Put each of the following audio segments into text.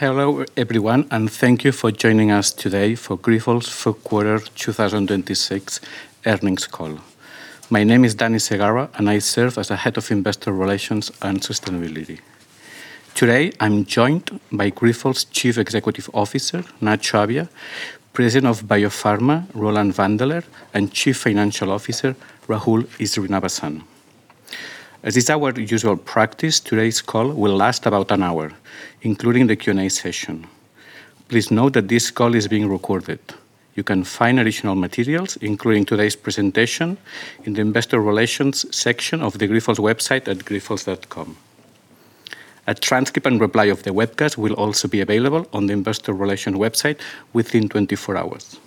Hello, everyone, and thank you for joining us today for Grifols' Q4 2026 Earnings Call. My name is Dani Segarra, and I serve as the Head of Investor Relations and Sustainability. Today, I'm joined by Grifols' Chief Executive Officer, Nacho Abia, President of Biopharma, Roland Wandeler, and Chief Financial Officer, Rahul Srinivasan. As is our usual practice, today's call will last about one hour, including the Q&A session. Please note that this call is being recorded. You can find additional materials, including today's presentation, in the Investor Relations section of the Grifols website at grifols.com. A transcript and replay of the webcast will also be available on the Investor Relations website within 24 hours.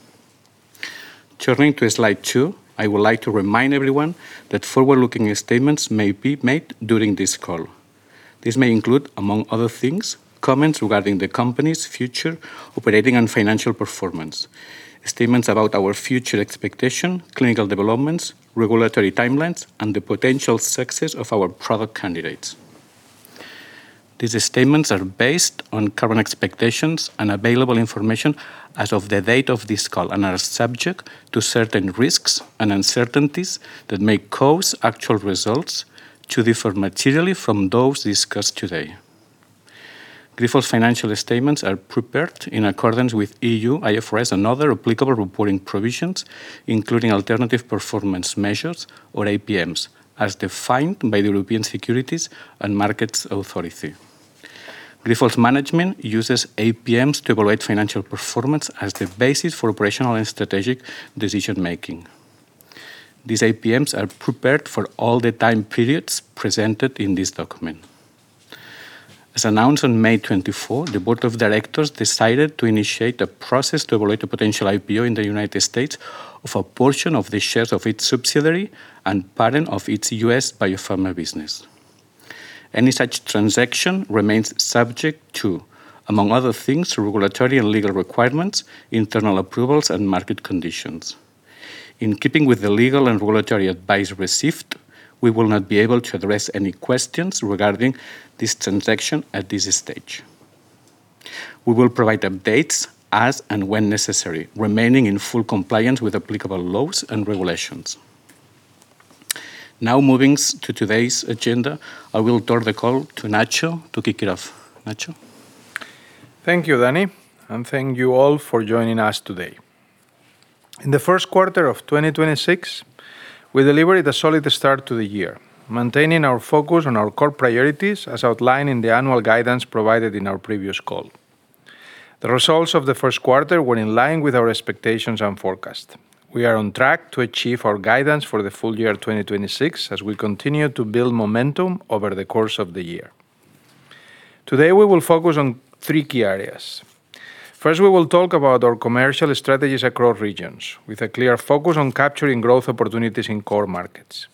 Turning to slide two, I would like to remind everyone that forward-looking statements may be made during this call. This may include, among other things, comments regarding the company's future operating and financial performance, statements about our future expectation, clinical developments, regulatory timelines, and the potential success of our product candidates. These statements are based on current expectations and available information as of the date of this call and are subject to certain risks and uncertainties that may cause actual results to differ materially from those discussed today. Grifols financial statements are prepared in accordance with EU IFRS and other applicable reporting provisions, including Alternative Performance Measures or APMs, as defined by the European Securities and Markets Authority. Grifols' management uses APMs to evaluate financial performance as the basis for operational and strategic decision-making. These APMs are prepared for all the time periods presented in this document. As announced on May 24, the board of directors decided to initiate a process to evaluate a potential IPO in the U.S. of a portion of the shares of its subsidiary and parent of its U.S. Biopharma business. Any such transaction remains subject to, among other things, regulatory and legal requirements, internal approvals, and market conditions. In keeping with the legal and regulatory advice received, we will not be able to address any questions regarding this transaction at this stage. We will provide updates as and when necessary, remaining in full compliance with applicable laws and regulations. Moving to today's agenda, I will turn the call to Nacho to kick it off. Nacho? Thank you, Dani, and thank you all for joining us today. In the first quarter of 2026, we delivered a solid start to the year, maintaining our focus on our core priorities as outlined in the annual guidance provided in our previous call. The results of the Q1 were in line with our expectations and forecast. We are on track to achieve our guidance for the full year 2026 as we continue to build momentum over the course of the year. Today, we will focus on three key areas. First, we will talk about our commercial strategies across regions, with a clear focus on capturing growth opportunities in core markets.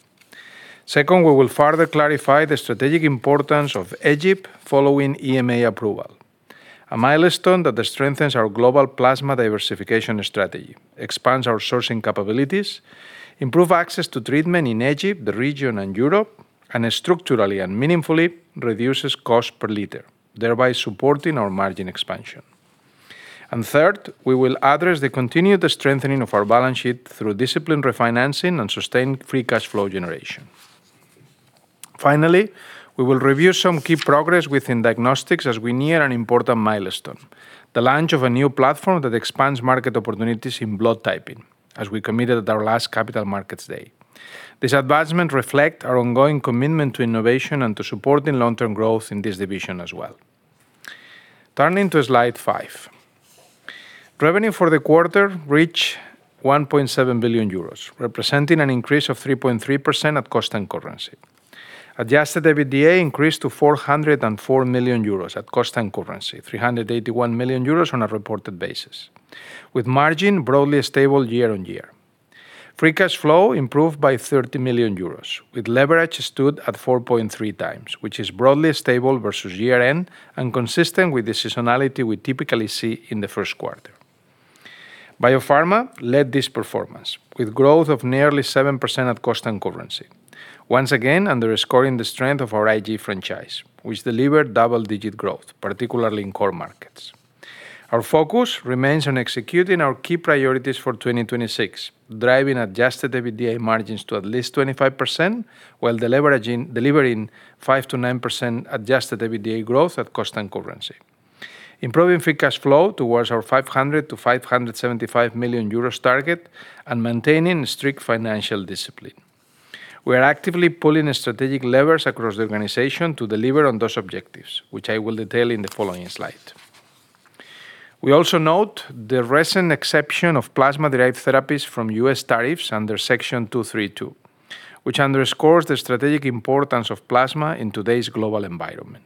Second, we will further clarify the strategic importance of Egypt following EMA approval, a milestone that strengthens our global plasma diversification strategy, expands our sourcing capabilities, improve access to treatment in Egypt, the region, and Europe, and structurally and meaningfully reduces cost per liter, thereby supporting our margin expansion. Third, we will address the continued strengthening of our balance sheet through disciplined refinancing and sustained free cash flow generation. Finally, we will review some key progress within Diagnostic as we near an important milestone, the launch of a new platform that expands market opportunities in blood typing, as we committed at our last Capital Markets Day. This advancement reflect our ongoing commitment to innovation and to supporting long-term growth in this division as well. Turning to slide five. Revenue for the quarter reached 1.7 billion euros, representing an increase of 3.3% at constant currency. Adjusted EBITDA increased to 404 million euros at constant currency, 381 million euros on a reported basis, with margin broadly stable year-on-year. Free cash flow improved by 30 million euros, with leverage stood at 4.3x, which is broadly stable versus year-end and consistent with the seasonality we typically see in the first quarter. Biopharma led this performance with growth of nearly 7% at constant currency. Once again, underscoring the strength of our IG franchise, which delivered double-digit growth, particularly in core markets. Our focus remains on executing our key priorities for 2026, driving adjusted EBITDA margins to at least 25% while deleveraging, delivering 5%-9% adjusted EBITDA growth at cost and currency, improving free cash flow towards our 500 million-575 million euros target, and maintaining strict financial discipline. We are actively pulling strategic levers across the organization to deliver on those objectives, which I will detail in the following slide. We also note the recent exception of plasma-derived therapies from U.S. tariffs under Section 232, which underscores the strategic importance of plasma in today's global environment.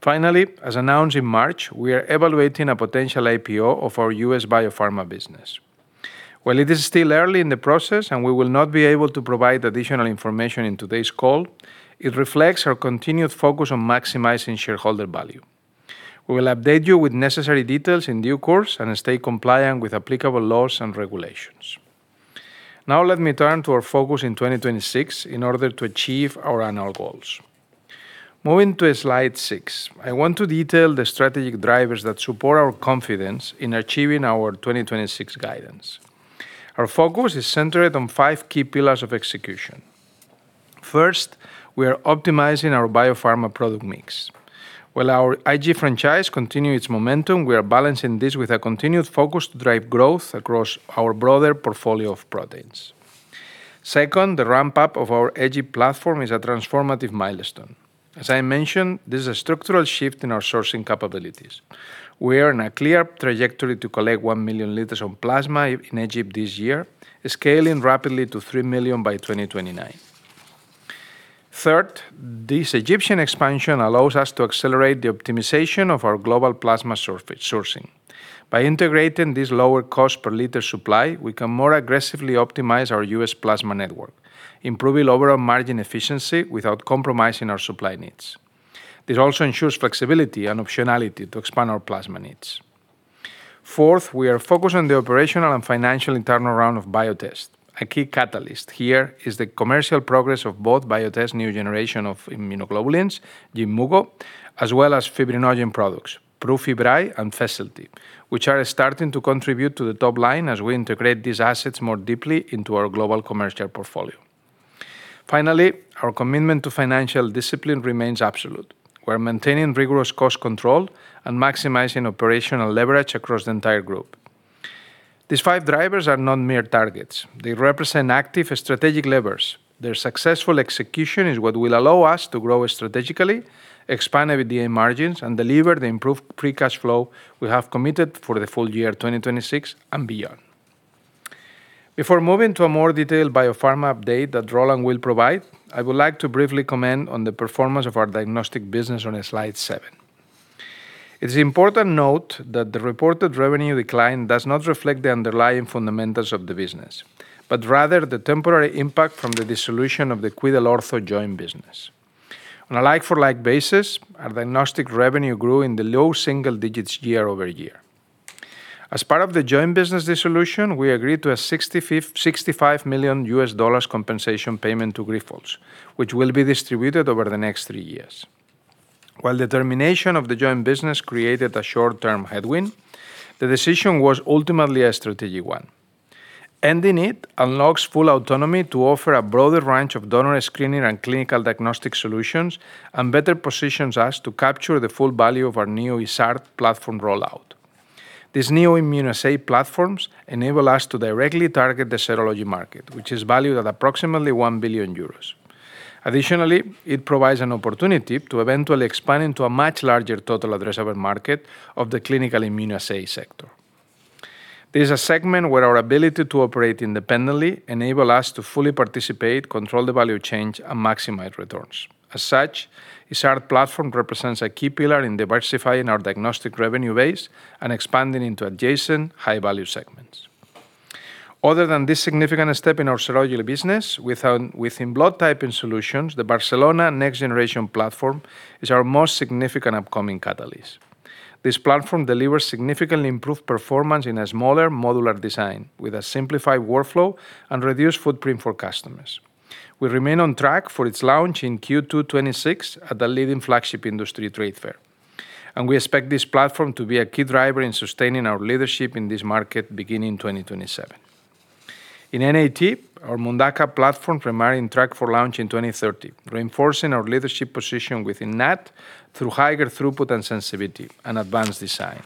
Finally, as announced in March, we are evaluating a potential IPO of our U.S. Biopharma business. While it is still early in the process and we will not be able to provide additional information in today's call, it reflects our continued focus on maximizing shareholder value. We will update you with necessary details in due course and stay compliant with applicable laws and regulations. Let me turn to our focus in 2026 in order to achieve our annual goals. Moving to slide six, I want to detail the strategic drivers that support our confidence in achieving our 2026 guidance. Our focus is centered on five key pillars of execution. First, we are optimizing our Biopharma product mix. While our IG franchise continue its momentum, we are balancing this with a continued focus to drive growth across our broader portfolio of proteins. Second, the ramp-up of our Egypt platform is a transformative milestone. As I mentioned, this is a structural shift in our sourcing capabilities. We are in a clear trajectory to collect 1 million liters of plasma in Egypt this year, scaling rapidly to 3 million litres by 2029. Third, this Egyptian expansion allows us to accelerate the optimization of our global plasma sourcing. By integrating this lower cost per liter supply, we can more aggressively optimize our U.S. plasma network, improving overall margin efficiency without compromising our supply needs. This also ensures flexibility and optionality to expand our plasma needs. Fourth, we are focused on the operational and financial turnaround of Biotest. A key catalyst here is the commercial progress of both Biotest new generation of immunoglobulins, Yimmugo, as well as fibrinogen products, Prufibry and FESILTY, which are starting to contribute to the top line as we integrate these assets more deeply into our global commercial portfolio. Finally, our commitment to financial discipline remains absolute. We're maintaining rigorous cost control and maximizing operational leverage across the entire group. These five drivers are not mere targets. They represent active strategic levers. Their successful execution is what will allow us to grow strategically, expand EBITDA margins, and deliver the improved free cash flow we have committed for the full year 2026 and beyond. Before moving to a more detailed Biopharma update that Roland will provide, I would like to briefly comment on the performance of our Diagnostic business on slide seven. It is important note that the reported revenue decline does not reflect the underlying fundamentals of the business, but rather the temporary impact from the dissolution of the QuidelOrtho joint business. On a like-for-like basis, our Diagnostic revenue grew in the low single digits year-over-year. As part of the joint business dissolution, we agreed to a $65 million compensation payment to Grifols, which will be distributed over the next three years. While the termination of the joint business created a short-term headwind, the decision was ultimately a strategic one. Ending it unlocks full autonomy to offer a broader range of donor screening and clinical diagnostic solutions and better positions us to capture the full value of our new IDS platform rollout. These new immunoassay platforms enable us to directly target the serology market, which is valued at approximately 1 billion euros. Additionally, it provides an opportunity to eventually expand into a much larger total addressable market of the clinical immunoassay sector. This is a segment where our ability to operate independently enable us to fully participate, control the value chain, and maximize returns. As such, IDS platform represents a key pillar in diversifying our Diagnostic revenue base and expanding into adjacent high-value segments. Other than this significant step in our serology business, within blood typing solutions, the Barcelona next-generation platform is our most significant upcoming catalyst. This platform delivers significantly improved performance in a smaller modular design with a simplified workflow and reduced footprint for customers. We remain on track for its launch in Q2 2026 at the leading flagship industry trade fair, and we expect this platform to be a key driver in sustaining our leadership in this market beginning 2027. In NAT, our Mundaka platform remaining on track for launch in 2030, reinforcing our leadership position within NAT through higher throughput and sensitivity and advanced design.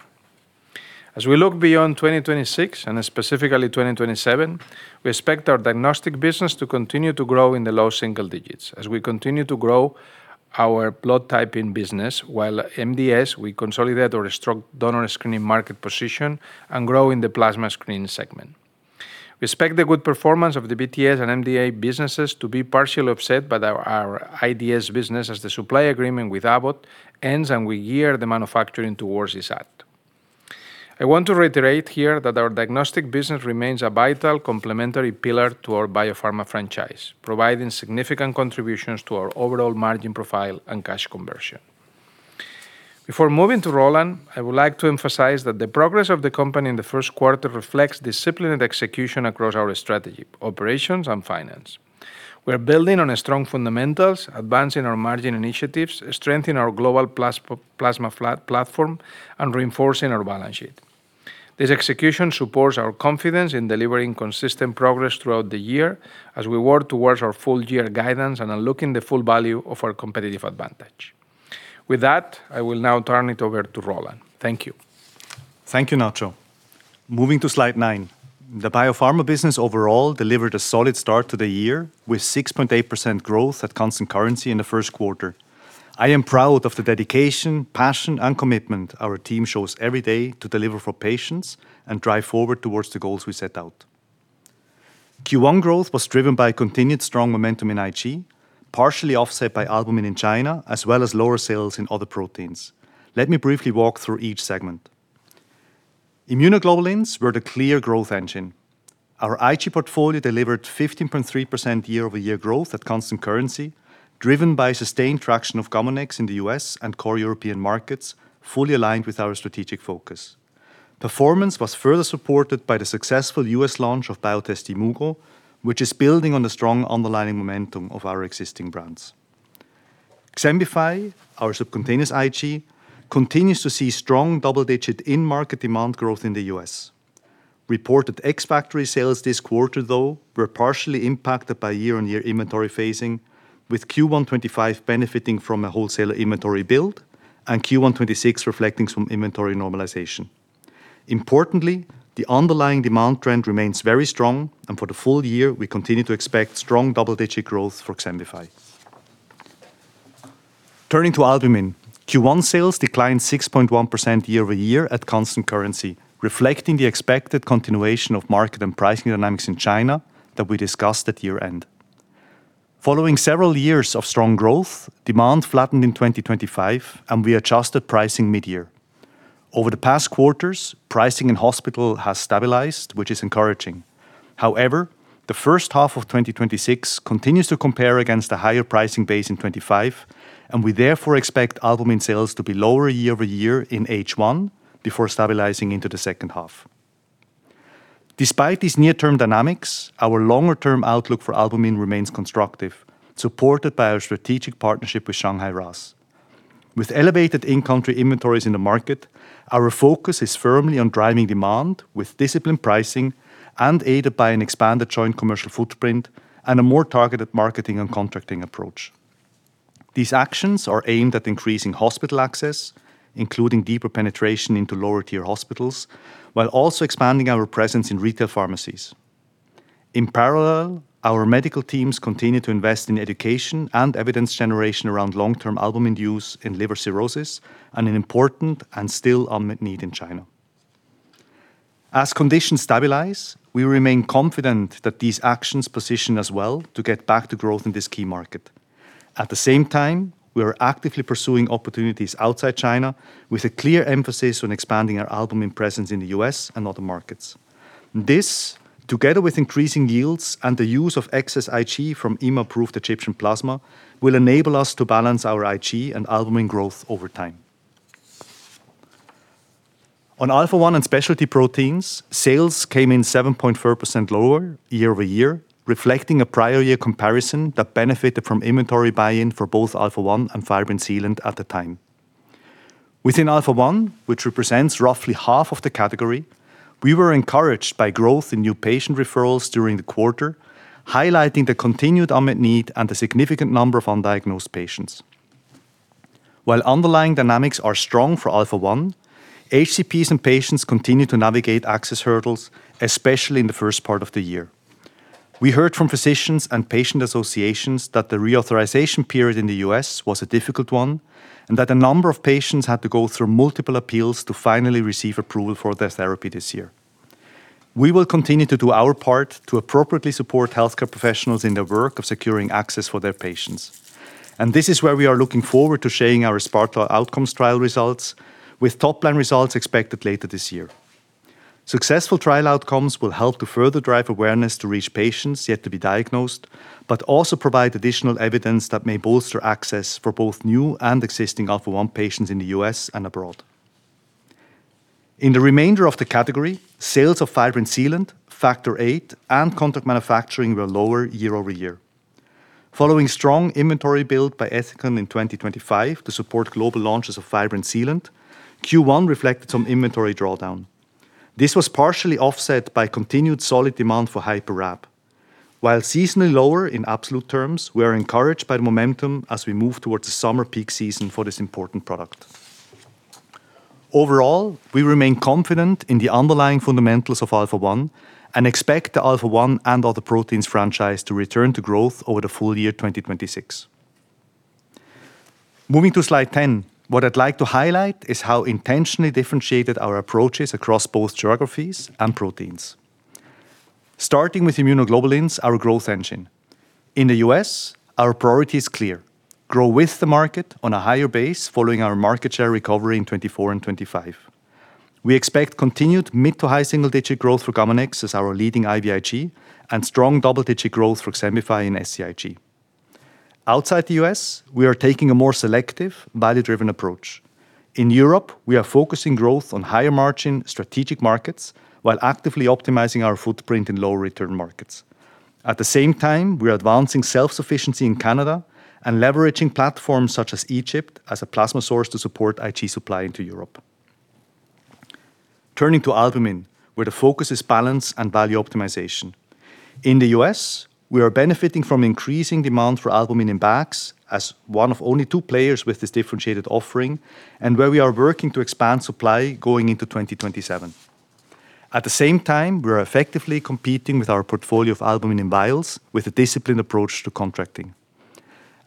As we look beyond 2026, and specifically 2027, we expect our Diagnostic business to continue to grow in the low single digits as we continue to grow our blood typing business while MDS, we consolidate our strong donor screening market position and grow in the plasma screening segment. We expect the good performance of the BTS and MDS businesses to be partially offset by our IDS business as the supply agreement with Abbott ends. We gear the manufacturing towards ISAT. I want to reiterate here that our Diagnostic business remains a vital complementary pillar to our Biopharma franchise, providing significant contributions to our overall margin profile and cash conversion. Before moving to Roland, I would like to emphasize that the progress of the company in the first quarter reflects disciplined execution across our strategy, operations, and finance. We are building on strong fundamentals, advancing our margin initiatives, strengthening our global plasma flat platform, and reinforcing our balance sheet. This execution supports our confidence in delivering consistent progress throughout the year as we work towards our full-year guidance and unlocking the full value of our competitive advantage. With that, I will now turn it over to Roland. Thank you. Thank you, Nacho. Moving to slide nine, the Biopharma business overall delivered a solid start to the year with 6.8% growth at constant currency in the first quarter. I am proud of the dedication, passion, and commitment our team shows every day to deliver for patients and drive forward towards the goals we set out. Q1 growth was driven by continued strong momentum in IG, partially offset by albumin in China, as well as lower sales in other proteins. Let me briefly walk through each segment. Immunoglobulins were the clear growth engine. Our IG portfolio delivered 15.3% year-over-year growth at constant currency, driven by sustained traction of Gamunex in the U.S. and core European markets, fully aligned with our strategic focus. Performance was further supported by the successful U.S. launch of Biotest Yimmugo, which is building on the strong underlying momentum of our existing brands. XEMBIFY, our subcutaneous IG, continues to see strong double-digit in-market demand growth in the U.S. Reported ex-factory sales this quarter, though, were partially impacted by year-on-year inventory phasing, with Q1 2025 benefiting from a wholesaler inventory build and Q1 2026 reflecting some inventory normalization. Importantly, the underlying demand trend remains very strong, and for the full year, we continue to expect strong double-digit growth for XEMBIFY. Turning to albumin, Q1 sales declined 6.1% year-over-year at constant currency, reflecting the expected continuation of market and pricing dynamics in China that we discussed at year-end. Following several years of strong growth, demand flattened in 2025, and we adjusted pricing mid-year. Over the past quarters, pricing in hospital has stabilized, which is encouraging. However, the first half of 2026 continues to compare against the higher pricing base in 2025, and we therefore expect albumin sales to be lower year-over-year in H1 before stabilizing into the second half. Despite these near-term dynamics, our longer-term outlook for albumin remains constructive, supported by our strategic partnership with Shanghai RAAS. With elevated in-country inventories in the market, our focus is firmly on driving demand with disciplined pricing and aided by an expanded joint commercial footprint and a more targeted marketing and contracting approach. These actions are aimed at increasing hospital access, including deeper penetration into lower-tier hospitals, while also expanding our presence in retail pharmacies. In parallel, our medical teams continue to invest in education and evidence generation around long-term albumin use in liver cirrhosis and an important and still unmet need in China. As conditions stabilize, we remain confident that these actions position us well to get back to growth in this key market. At the same time, we are actively pursuing opportunities outside China with a clear emphasis on expanding our albumin presence in the U.S. and other markets. This, together with increasing yields and the use of excess IG from EMA-approved Egyptian plasma, will enable us to balance our IG and albumin growth over time. On Alpha-1 and specialty proteins, sales came in 7.4% lower year-over-year, reflecting a prior year comparison that benefited from inventory buy-in for both Alpha-1 and Fibrin Sealant at the time. Within Alpha-1, which represents roughly half of the category, we were encouraged by growth in new patient referrals during the quarter, highlighting the continued unmet need and the significant number of undiagnosed patients. While underlying dynamics are strong for Alpha One, HCPs and patients continue to navigate access hurdles, especially in the first part of the year. We heard from physicians and patient associations that the reauthorization period in the U.S. was a difficult one and that a number of patients had to go through multiple appeals to finally receive approval for their therapy this year. We will continue to do our part to appropriately support healthcare professionals in their work of securing access for their patients. This is where we are looking forward to sharing our SPARTA Outcomes trial results, with top-line results expected later this year. Successful trial outcomes will help to further drive awareness to reach patients yet to be diagnosed, but also provide additional evidence that may bolster access for both new and existing Alpha-1 patients in the U.S. and abroad. In the remainder of the category, sales of Fibrin Sealant, Factor VIII, and contract manufacturing were lower year-over-year. Following strong inventory build by Ethicon in 2025 to support global launches of Fibrin Sealant, Q1 reflected some inventory drawdown. This was partially offset by continued solid demand for HyperRAB. While seasonally lower in absolute terms, we are encouraged by the momentum as we move towards the summer peak season for this important product. Overall, we remain confident in the underlying fundamentals of Alpha-1 and expect the Alpha-1 and other proteins franchise to return to growth over the full year 2026. Moving to slide 10, what I'd like to highlight is how intentionally differentiated our approach is across both geographies and proteins. Starting with immunoglobulins, our growth engine. In the U.S., our priority is clear: grow with the market on a higher base following our market share recovery in 2024 and 2025. We expect continued mid to high single-digit growth for Gamunex as our leading IVIG and strong double-digit growth for XEMBIFY and SCIG. Outside the U.S., we are taking a more selective value-driven approach. In Europe, we are focusing growth on higher-margin strategic markets while actively optimizing our footprint in low-return markets. At the same time, we are advancing self-sufficiency in Canada and leveraging platforms such as Egypt as a plasma source to support IG supply into Europe. Turning to albumin, where the focus is balance and value optimization. In the U.S., we are benefiting from increasing demand for albumin in bags as one of only two players with this differentiated offering and where we are working to expand supply going into 2027. At the same time, we are effectively competing with our portfolio of albumin in vials with a disciplined approach to contracting.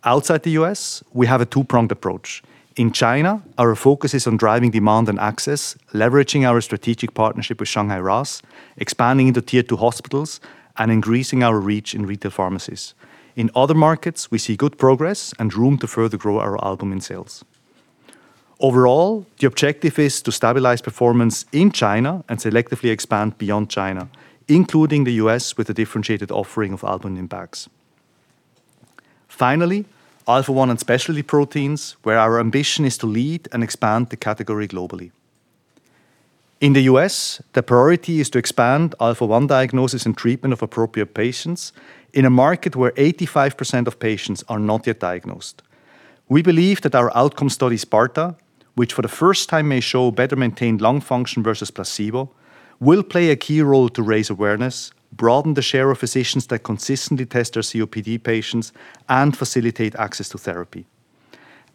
Outside the U.S., we have a two-pronged approach. In China, our focus is on driving demand and access, leveraging our strategic partnership with Shanghai RAAS, expanding into tier two hospitals, and increasing our reach in retail pharmacies. In other markets, we see good progress and room to further grow our albumin sales. Overall, the objective is to stabilize performance in China and selectively expand beyond China, including the U.S., with a differentiated offering of albumin bags. Finally, Alpha-1 and specialty proteins, where our ambition is to lead and expand the category globally. In the U.S., the priority is to expand Alpha-1 diagnosis and treatment of appropriate patients in a market where 85% of patients are not yet diagnosed. We believe that our outcome study SPARTA, which for the first time may show better-maintained lung function versus placebo, will play a key role to raise awareness, broaden the share of physicians that consistently test their COPD patients, and facilitate access to therapy.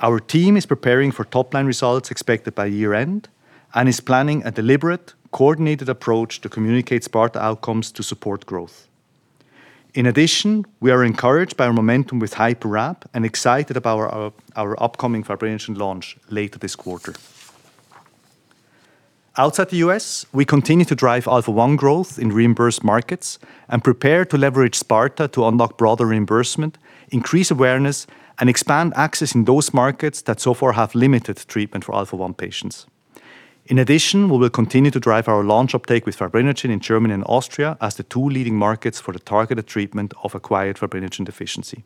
Our team is preparing for top-line results expected by year-end and is planning a deliberate, coordinated approach to communicate SPARTA outcomes to support growth. We are encouraged by our momentum with HyperRAB and excited about our upcoming Fibrinogen launch later this quarter. Outside the U.S., we continue to drive Alpha-1 growth in reimbursed markets and prepare to leverage SPARTA to unlock broader reimbursement, increase awareness, and expand access in those markets that so far have limited treatment for Alpha-1 patients. In addition, we will continue to drive our launch uptake with Fibrinogen in Germany and Austria as the two leading markets for the targeted treatment of acquired fibrinogen deficiency.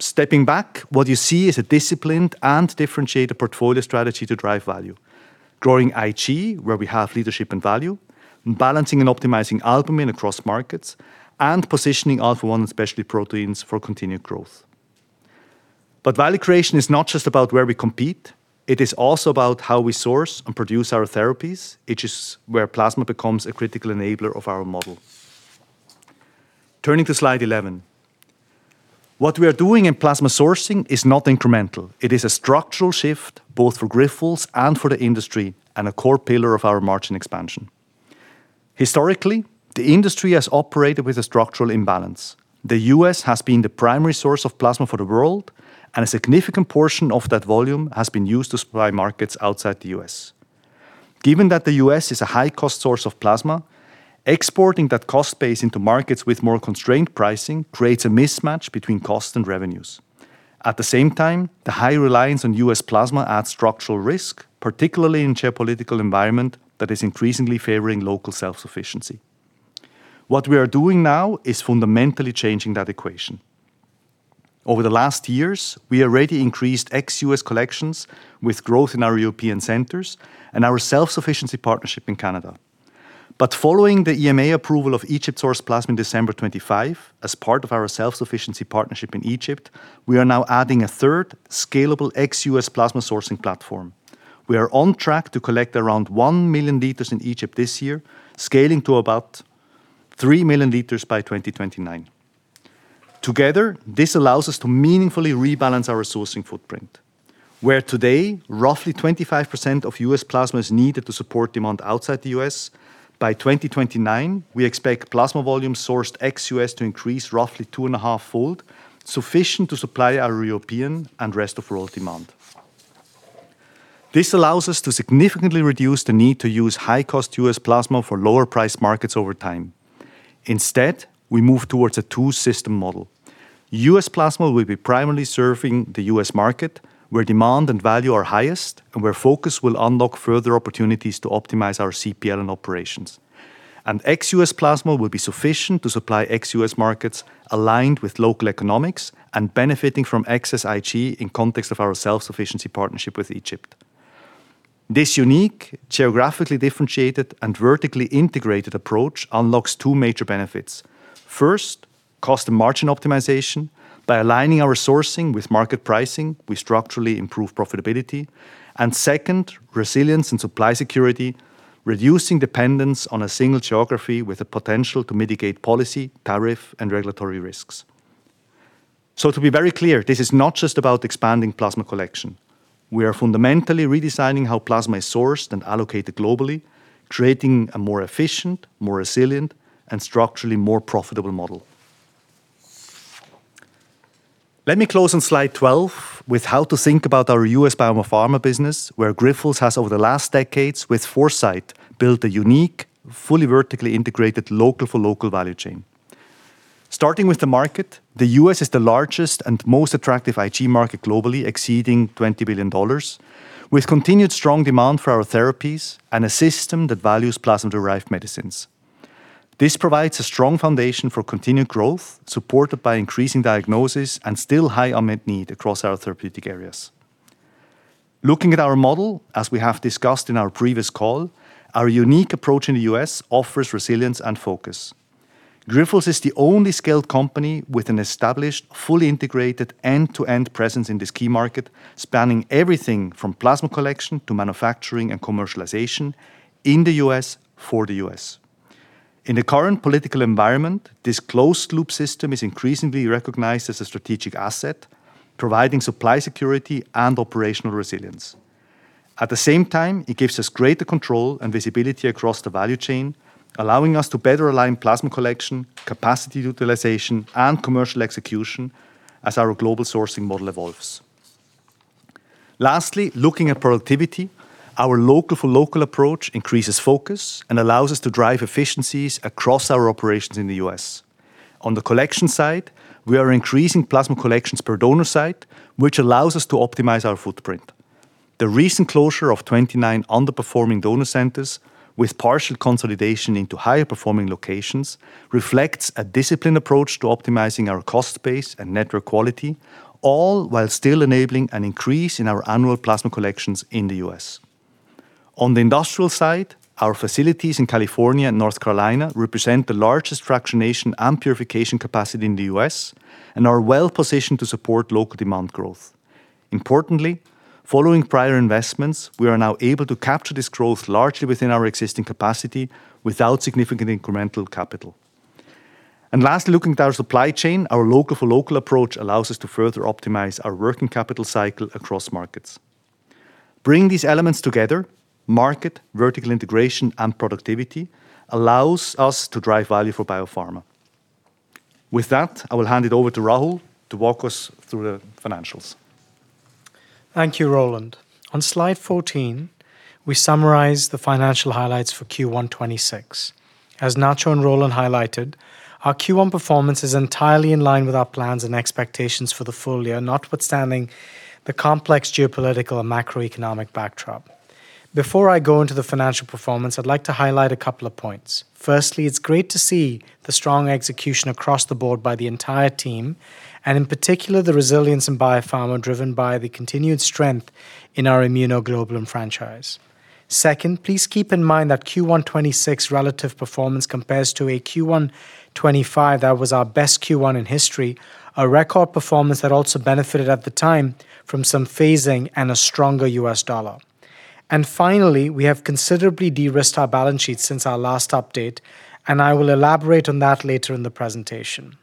Stepping back, what you see is a disciplined and differentiated portfolio strategy to drive value. Growing IG, where we have leadership and value, balancing and optimizing albumin across markets, and positioning Alpha-1 and specialty proteins for continued growth. Value creation is not just about where we compete. It is also about how we source and produce our therapies, which is where plasma becomes a critical enabler of our model. Turning to slide 11. What we are doing in plasma sourcing is not incremental. It is a structural shift both for Grifols and for the industry and a core pillar of our margin expansion. Historically, the industry has operated with a structural imbalance. The U.S. has been the primary source of plasma for the world, and a significant portion of that volume has been used to supply markets outside the U.S. Given that the U.S. is a high-cost source of plasma, exporting that cost base into markets with more constrained pricing creates a mismatch between cost and revenues. At the same time, the high reliance on U.S. plasma adds structural risk, particularly in geopolitical environment that is increasingly favoring local self-sufficiency. What we are doing now is fundamentally changing that equation. Over the last years, we already increased ex-U.S. collections with growth in our European centers and our self-sufficiency partnership in Canada. Following the EMA approval of Egypt-sourced plasma in December 2025 as part of our self-sufficiency partnership in Egypt, we are now adding a third scalable ex-U.S. plasma sourcing platform. We are on track to collect around 1 million liters in Egypt this year, scaling to about 3 million liters by 2029. Together, this allows us to meaningfully rebalance our sourcing footprint. Where today roughly 25% of U.S. plasma is needed to support demand outside the U.S., by 2029, we expect plasma volume sourced ex-U.S. to increase roughly 2.5-fold, sufficient to supply our European and rest of world demand. This allows us to significantly reduce the need to use high-cost U.S. plasma for lower-priced markets over time. Instead, we move towards a two-system model. U.S. plasma will be primarily serving the U.S. market, where demand and value are highest and where focus will unlock further opportunities to optimize our CPL and operations. Ex-U.S. plasma will be sufficient to supply ex-U.S. markets aligned with local economics and benefiting from excess IG in context of our self-sufficiency partnership with Egypt. This unique, geographically differentiated, and vertically integrated approach unlocks two major benefits. First, cost and margin optimization. By aligning our sourcing with market pricing, we structurally improve profitability. Second, resilience and supply security, reducing dependence on a single geography with the potential to mitigate policy, tariff, and regulatory risks. To be very clear, this is not just about expanding plasma collection. We are fundamentally redesigning how plasma is sourced and allocated globally, creating a more efficient, more resilient, and structurally more profitable model. Let me close on slide 12 with how to think about our U.S. Biopharma business, where Grifols has, over the last decades, with foresight, built a unique, fully vertically integrated local-for-local value chain. Starting with the market, the U.S. is the largest and most attractive IG market globally, exceeding $20 billion, with continued strong demand for our therapies and a system that values plasma-derived medicines. This provides a strong foundation for continued growth, supported by increasing diagnosis and still high unmet need across our therapeutic areas. Looking at our model, as we have discussed in our previous call, our unique approach in the U.S. offers resilience and focus. Grifols is the only scaled company with an established, fully integrated end-to-end presence in this key market, spanning everything from plasma collection to manufacturing and commercialization in the U.S. for the U.S. In the current political environment, this closed-loop system is increasingly recognized as a strategic asset, providing supply security and operational resilience. At the same time, it gives us greater control and visibility across the value chain, allowing us to better align plasma collection, capacity utilization, and commercial execution as our global sourcing model evolves. Lastly, looking at productivity, our local-for-local approach increases focus and allows us to drive efficiencies across our operations in the U.S. On the collection side, we are increasing plasma collections per donor site, which allows us to optimize our footprint. The recent closure of 29 underperforming donor centers with partial consolidation into higher-performing locations reflects a disciplined approach to optimizing our cost base and network quality, all while still enabling an increase in our annual plasma collections in the U.S. On the industrial side, our facilities in California and North Carolina represent the largest fractionation and purification capacity in the U.S. and are well-positioned to support local demand growth. Importantly, following prior investments, we are now able to capture this growth largely within our existing capacity without significant incremental capital. Lastly, looking at our supply chain, our local-for-local approach allows us to further optimize our working capital cycle across markets. Bringing these elements together, market, vertical integration, and productivity, allows us to drive value for Biopharma. With that, I will hand it over to Rahul to walk us through the financials. Thank you, Roland. On slide 14, we summarize the financial highlights for Q1 2026. As Nacho and Roland highlighted, our Q1 performance is entirely in line with our plans and expectations for the full year, notwithstanding the complex geopolitical and macroeconomic backdrop. Before I go into the financial performance, I'd like to highlight a couple of points. Firstly, it's great to see the strong execution across the board by the entire team, and in particular, the resilience in Biopharma driven by the continued strength in our immunoglobulin franchise. Second, please keep in mind that Q1 2026 relative performance compares to a Q1 2025 that was our best Q1 in history, a record performance that also benefited at the time from some phasing and a stronger U.S. dollar. Finally, we have considerably de-risked our balance sheet since our last update, and I will elaborate on that later in the presentation.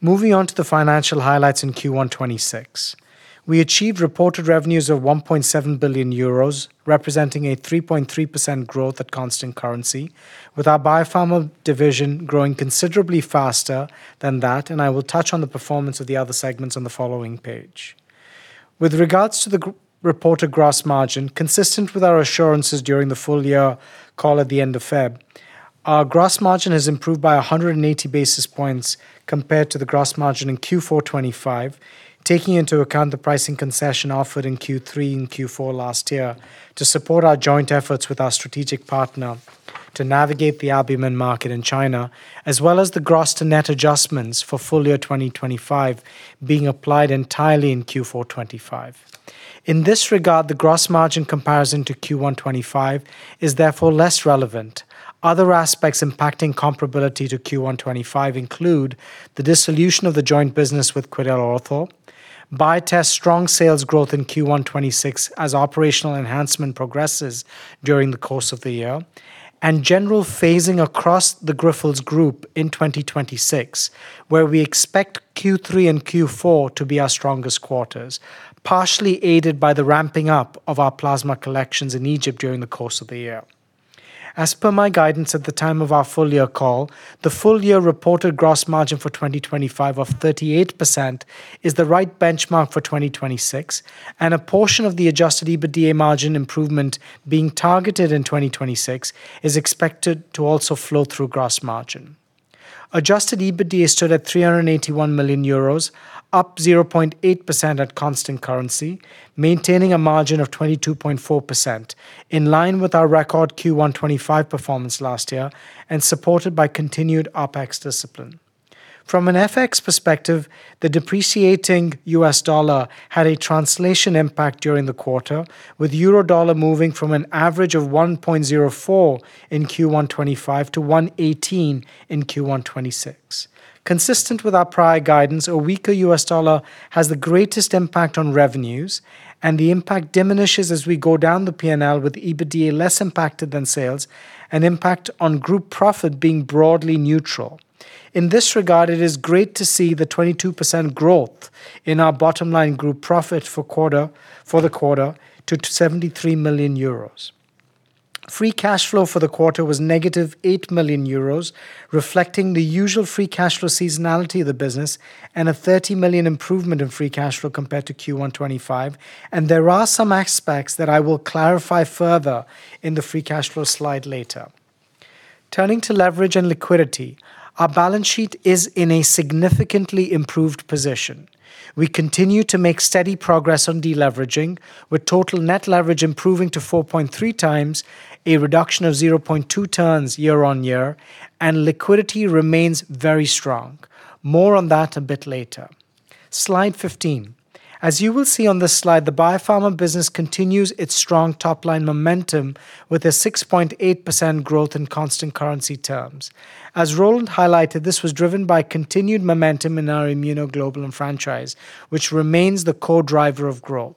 Moving on to the financial highlights in Q1 2026. We achieved reported revenues of 1.7 billion euros, representing a 3.3% growth at constant currency, with our Biopharma division growing considerably faster than that, and I will touch on the performance of the other segments on the following page. With regards to the reported gross margin, consistent with our assurances during the full year call at the end of February, our gross margin has improved by 180 basis points compared to the gross margin in Q4 2025, taking into account the pricing concession offered in Q3 and Q4 2025 to support our joint efforts with our strategic partner Shanghai RAAS to navigate the albumin market in China, as well as the gross to net adjustments for full year 2025 being applied entirely in Q4 2025. In this regard, the gross margin comparison to Q1 2025 is therefore less relevant. Other aspects impacting comparability to Q1 2025 include the dissolution of the joint business with QuidelOrtho, Biotest strong sales growth in Q1 2026 as operational enhancement progresses during the course of the year, and general phasing across the Grifols group in 2026, where we expect Q3 and Q4 to be our strongest quarters, partially aided by the ramping up of our plasma collections in Egypt during the course of the year. As per my guidance at the time of our full year call, the full year reported gross margin for 2025 of 38% is the right benchmark for 2026, and a portion of the adjusted EBITDA margin improvement being targeted in 2026 is expected to also flow through gross margin. Adjusted EBITDA stood at EUR 381 million, up 0.8% at constant currency, maintaining a margin of 22.4%, in line with our record Q1 2025 performance last year and supported by continued OpEx discipline. From an FX perspective, the depreciating U.S. dollar had a translation impact during the quarter, with euro-dollar moving from an average of 1.04 in Q1 2025 to 1.18 in Q1 2026. Consistent with our prior guidance, a weaker U.S. dollar has the greatest impact on revenues, and the impact diminishes as we go down the P&L with EBITDA less impacted than sales and impact on group profit being broadly neutral. In this regard, it is great to see the 22% growth in our bottom line group profit for the quarter to 73 million euros. Free cash flow for the quarter was -8 million euros, reflecting the usual free cash flow seasonality of the business and a 30 million improvement in free cash flow compared to Q1 2025. There are some aspects that I will clarify further in the free cash flow slide later. Turning to leverage and liquidity, our balance sheet is in a significantly improved position. We continue to make steady progress on de-leveraging, with total net leverage improving to 4.3x, a reduction of 0.2x year-on-year. Liquidity remains very strong. More on that a bit later. Slide 15. As you will see on this slide, the Biopharma business continues its strong top-line momentum with a 6.8% growth in constant currency terms. As Roland highlighted, this was driven by continued momentum in our immunoglobulin franchise, which remains the core driver of growth.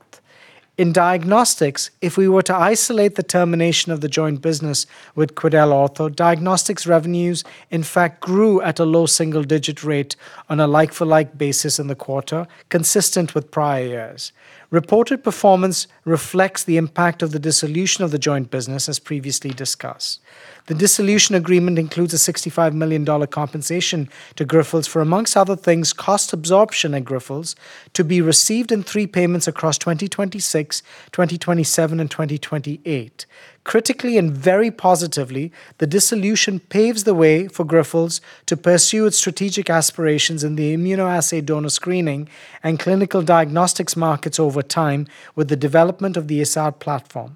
In Diagnostics, if we were to isolate the termination of the joint business with QuidelOrtho, Diagnostics revenues in fact grew at a low single-digit rate on a like-for-like basis in the quarter, consistent with prior years. Reported performance reflects the impact of the dissolution of the joint business, as previously discussed. The dissolution agreement includes a $65 million compensation to Grifols for, amongst other things, cost absorption at Grifols to be received in three payments across 2026, 2027, and 2028. Critically and very positively, the dissolution paves the way for Grifols to pursue its strategic aspirations in the immunoassay donor screening and clinical diagnostics markets over time with the development of the ASOT platform.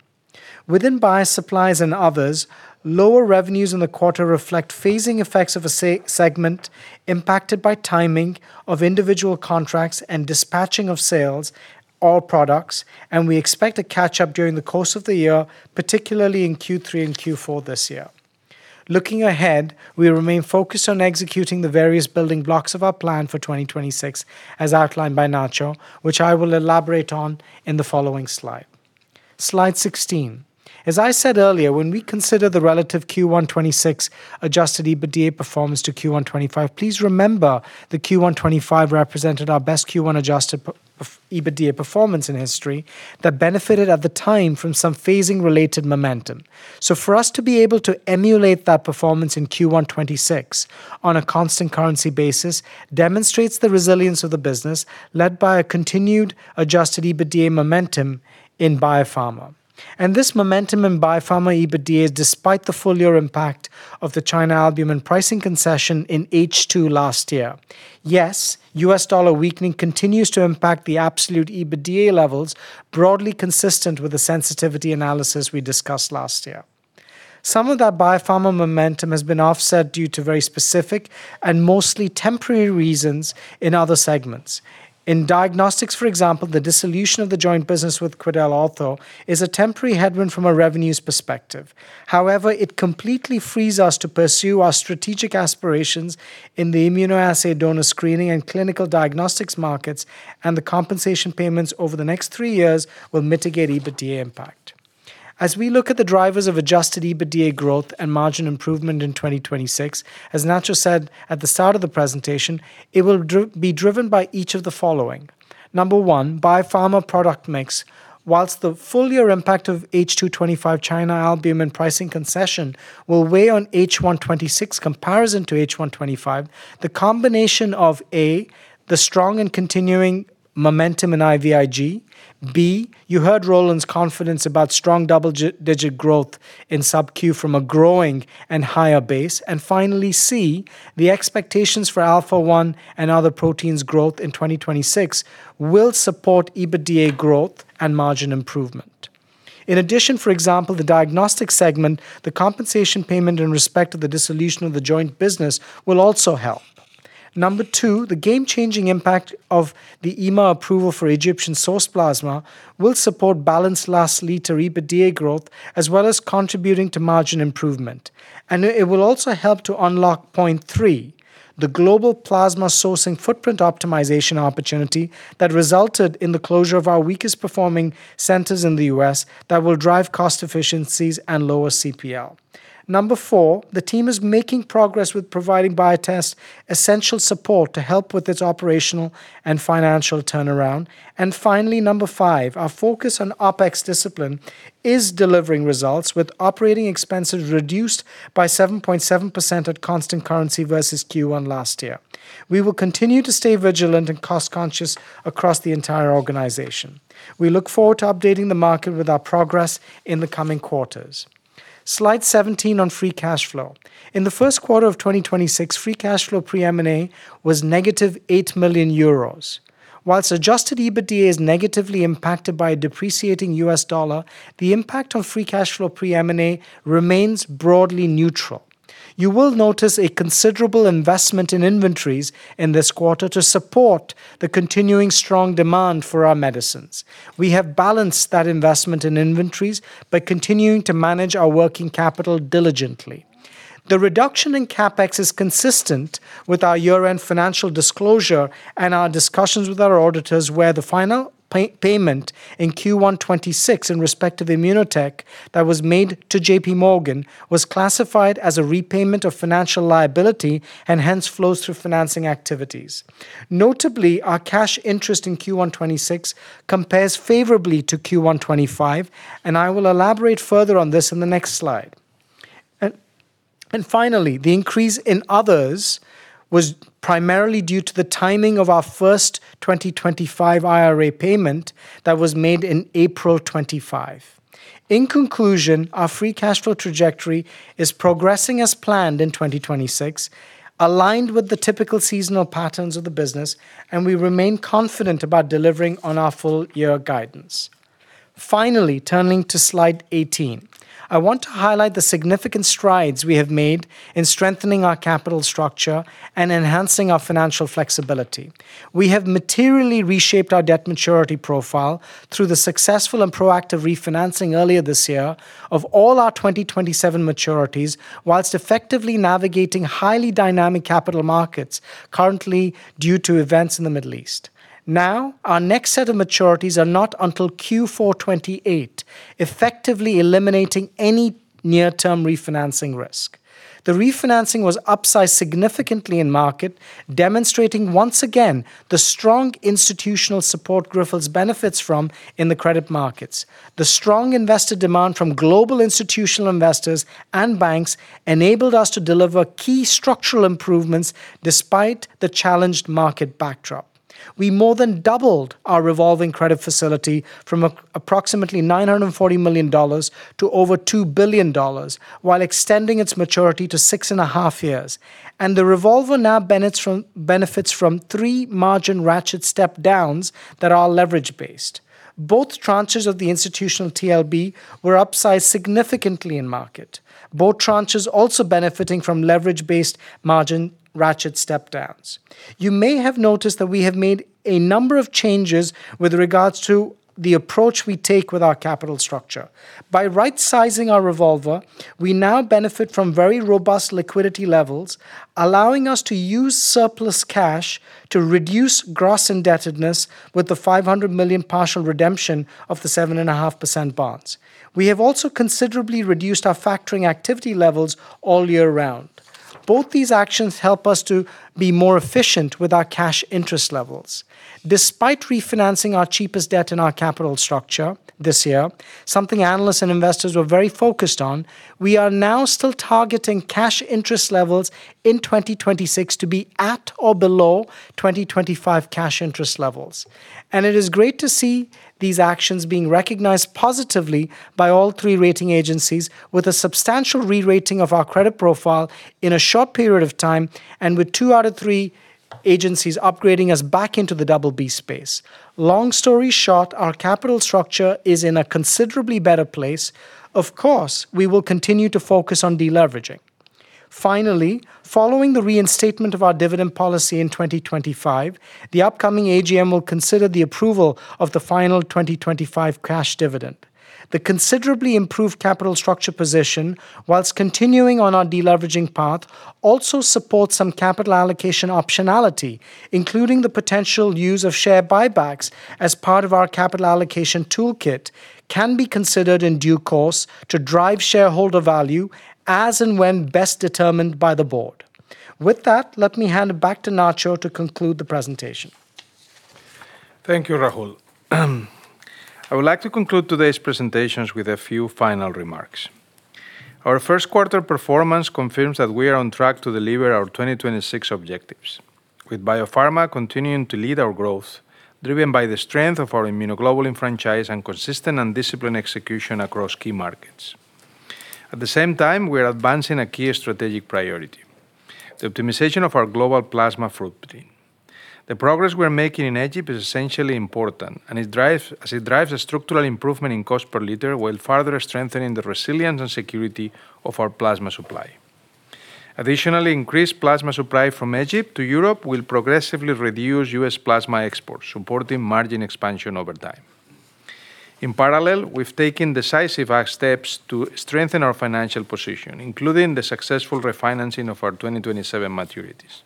Within Biosupplies and others, lower revenues in the quarter reflect phasing effects of a segment impacted by timing of individual contracts and dispatching of sales, all products. We expect a catch-up during the course of the year, particularly in Q3 and Q4 this year. Looking ahead, we remain focused on executing the various building blocks of our plan for 2026 as outlined by Nacho, which I will elaborate on in the following slide. Slide 16. As I said earlier, when we consider the relative Q1 2026 adjusted EBITDA performance to Q1 2025, please remember that Q1 2025 represented our best Q1 adjusted EBITDA performance in history that benefited at the time from some phasing-related momentum. For us to be able to emulate that performance in Q1 2026 on a constant currency basis demonstrates the resilience of the business, led by a continued adjusted EBITDA momentum in Biopharma. This momentum in Biopharma EBITDA is despite the full-year impact of the China albumin pricing concession in H2 last year. Yes, U.S. dollar weakening continues to impact the absolute EBITDA levels, broadly consistent with the sensitivity analysis we discussed last year. Some of that Biopharma momentum has been offset due to very specific and mostly temporary reasons in other segments. In Diagnostic, for example, the dissolution of the joint business with QuidelOrtho is a temporary headwind from a revenues perspective. However, it completely frees us to pursue our strategic aspirations in the immunoassay donor screening and clinical Diagnostic markets, and the compensation payments over the next three years will mitigate EBITDA impact. As we look at the drivers of adjusted EBITDA growth and margin improvement in 2026, as Nacho said at the start of the presentation, it will be driven by each of the following. Number one, Biopharma product mix. Whilst the full-year impact of H2 2025 China albumin pricing concession will weigh on H1 2026 comparison to H1 2025, the combination of, A, the strong and continuing momentum in IVIG. B, you heard Roland's confidence about strong double-digit growth in SCIG from a growing and higher base. Finally, C, the expectations for Alpha-1 and other proteins growth in 2026 will support EBITDA growth and margin improvement. In addition, for example, the Diagnostic segment, the compensation payment in respect of the dissolution of the joint business will also help. Number two, the game-changing impact of the EMA approval for Egyptian-sourced plasma will support balanced last-liter EBITDA growth, as well as contributing to margin improvement. It will also help to unlock point three, the global plasma sourcing footprint optimization opportunity that resulted in the closure of our weakest-performing centers in the U.S. that will drive cost efficiencies and lower CPL. Number four, the team is making progress with providing Biotest essential support to help with its operational and financial turnaround. Finally, Number five, our focus on OpEx discipline is delivering results with operating expenses reduced by 7.7% at constant currency versus Q1 last year. We will continue to stay vigilant and cost-conscious across the entire organization. We look forward to updating the market with our progress in the coming quarters. Slide 17 on free cash flow. In the first quarter of 2026, free cash flow pre-M&A was -8 million euros. Adjusted EBITDA is negatively impacted by a depreciating U.S. dollar, the impact on free cash flow pre-M&A remains broadly neutral. You will notice a considerable investment in inventories in this quarter to support the continuing strong demand for our medicines. We have balanced that investment in inventories by continuing to manage our working capital diligently. The reduction in CapEx is consistent with our year-end financial disclosure and our discussions with our auditors, where the final payment in Q1 2026 in respect of ImmunoTek that was made to JPMorgan was classified as a repayment of financial liability and hence flows through financing activities. Notably, our cash interest in Q1 2026 compares favorably to Q1 2025. I will elaborate further on this in the next slide. Finally, the increase in others was primarily due to the timing of our first 2025 IRA payment that was made in April 25. In conclusion, our free cash flow trajectory is progressing as planned in 2026, aligned with the typical seasonal patterns of the business, and we remain confident about delivering on our full-year guidance. Finally, turning to slide 18. I want to highlight the significant strides we have made in strengthening our capital structure and enhancing our financial flexibility. We have materially reshaped our debt maturity profile through the successful and proactive refinancing earlier this year of all our 2027 maturities whilst effectively navigating highly dynamic capital markets currently due to events in the Middle East. Now, our next set of maturities are not until Q4 2028, effectively eliminating any near-term refinancing risk. The refinancing was upsized significantly in market, demonstrating once again the strong institutional support Grifols benefits from in the credit markets. The strong investor demand from global institutional investors and banks enabled us to deliver key structural improvements despite the challenged market backdrop. We more than doubled our revolving credit facility from approximately EUR 940 million to over EUR 2 billion while extending its maturity to six and a half years. The revolver now benefits from three margin ratchet step-downs that are leverage-based. Both tranches of the institutional TLB were upsized significantly in market, both tranches also benefiting from leverage-based margin ratchet step-downs. You may have noticed that we have made a number of changes with regards to the approach we take with our capital structure. By right-sizing our revolver, we now benefit from very robust liquidity levels, allowing us to use surplus cash to reduce gross indebtedness with the 500 million partial redemption of the 7.5% bonds. We have also considerably reduced our factoring activity levels all year round. Both these actions help us to be more efficient with our cash interest levels. Despite refinancing our cheapest debt in our capital structure this year, something analysts and investors were very focused on, we are now still targeting cash interest levels in 2026 to be at or below 2025 cash interest levels. It is great to see these actions being recognized positively by all three rating agencies with a substantial re-rating of our credit profile in a short period of time, with two out of three agencies upgrading us back into the BB space. Long story short, our capital structure is in a considerably better place. Of course, we will continue to focus on deleveraging. Finally, following the reinstatement of our dividend policy in 2025, the upcoming AGM will consider the approval of the final 2025 cash dividend. The considerably improved capital structure position, whilst continuing on our deleveraging path, also supports some capital allocation optionality, including the potential use of share buybacks as part of our capital allocation toolkit can be considered in due course to drive shareholder value as and when best determined by the board. With that, let me hand it back to Nacho to conclude the presentation. Thank you, Rahul. I would like to conclude today's presentations with a few final remarks. Our first quarter performance confirms that we are on track to deliver our 2026 objectives, with Biopharma continuing to lead our growth, driven by the strength of our immunoglobulin franchise and consistent and disciplined execution across key markets. At the same time, we are advancing a key strategic priority, the optimization of our global plasma footprint. The progress we're making in Egypt is essentially important, as it drives a structural improvement in cost per liter while further strengthening the resilience and security of our plasma supply. Additionally, increased plasma supply from Egypt to Europe will progressively reduce U.S. plasma exports, supporting margin expansion over time. In parallel, we've taken decisive steps to strengthen our financial position, including the successful refinancing of our 2027 maturities,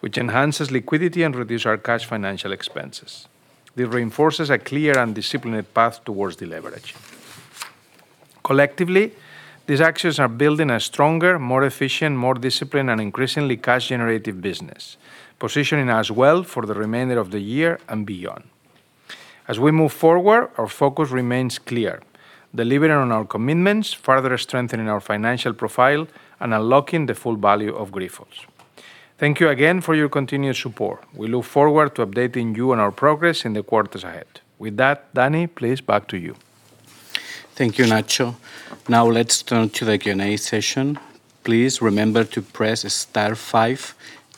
which enhances liquidity and reduce our cash financial expenses. This reinforces a clear and disciplined path towards deleverage. Collectively, these actions are building a stronger, more efficient, more disciplined, and increasingly cash-generative business, positioning us well for the remainder of the year and beyond. As we move forward, our focus remains clear: delivering on our commitments, further strengthening our financial profile, and unlocking the full value of Grifols. Thank you again for your continued support. We look forward to updating you on our progress in the quarters ahead. With that, Dani, please back to you. Thank you, Nacho. Now let's turn to the Q&A session. Please remember to press star five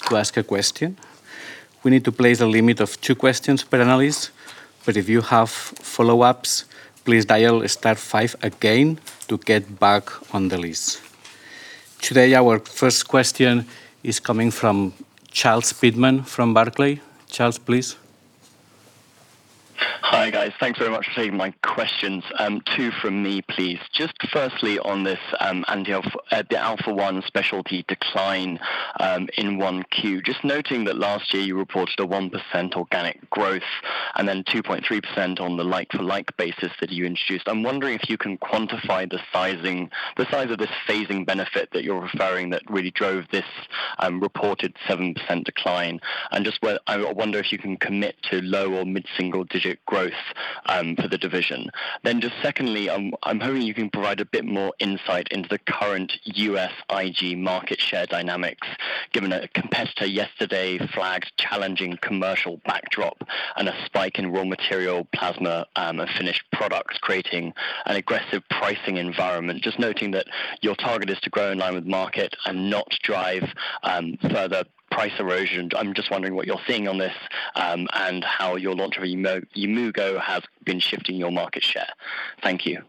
to ask a question. We need to place a limit of two questions per analyst, but if you have follow-ups, please dial star five again to get back on the list. Today, our first question is coming from Charles Pitman from Barclays. Charles, please. Hi, guys. Thanks very much for taking my questions. Two from me, please. Just firstly on this, the Alpha-1 specialty decline in 1Q. Just noting that last year you reported a 1% organic growth and then 2.3% on the like-to-like basis that you introduced. I'm wondering if you can quantify the size of this phasing benefit that you're referring that really drove this reported 7% decline. I wonder if you can commit to low- or mid-single digit growth for the division. Just secondly, hoping you can provide a bit more insight into the current U.S. IG market share dynamics, given a competitor yesterday flagged challenging commercial backdrop and a spike in raw material plasma, a finished product creating an aggressive pricing environment. Just noting that your target is to grow in line with market and not drive further price erosion. I'm just wondering what you're seeing on this and how your launch of Yimmugo have been shifting your market share. Thank you.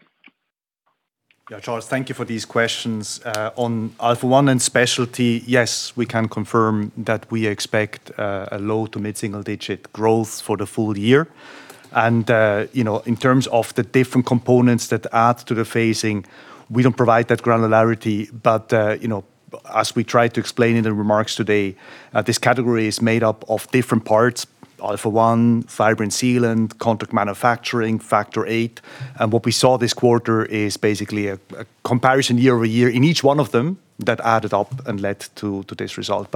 Yeah, Charles, thank you for these questions. On Alpha-1 and specialty, yes, we can confirm that we expect a low- to mid-single digit growth for the full year. You know, in terms of the different components that add to the phasing, we don't provide that granularity. You know, as we tried to explain in the remarks today, this category is made up of different parts: Alpha-1, Fibrin Sealant, contract manufacturing, Factor VIII. What we saw this quarter is basically a comparison year-over-year in each one of them that added up and led to this result.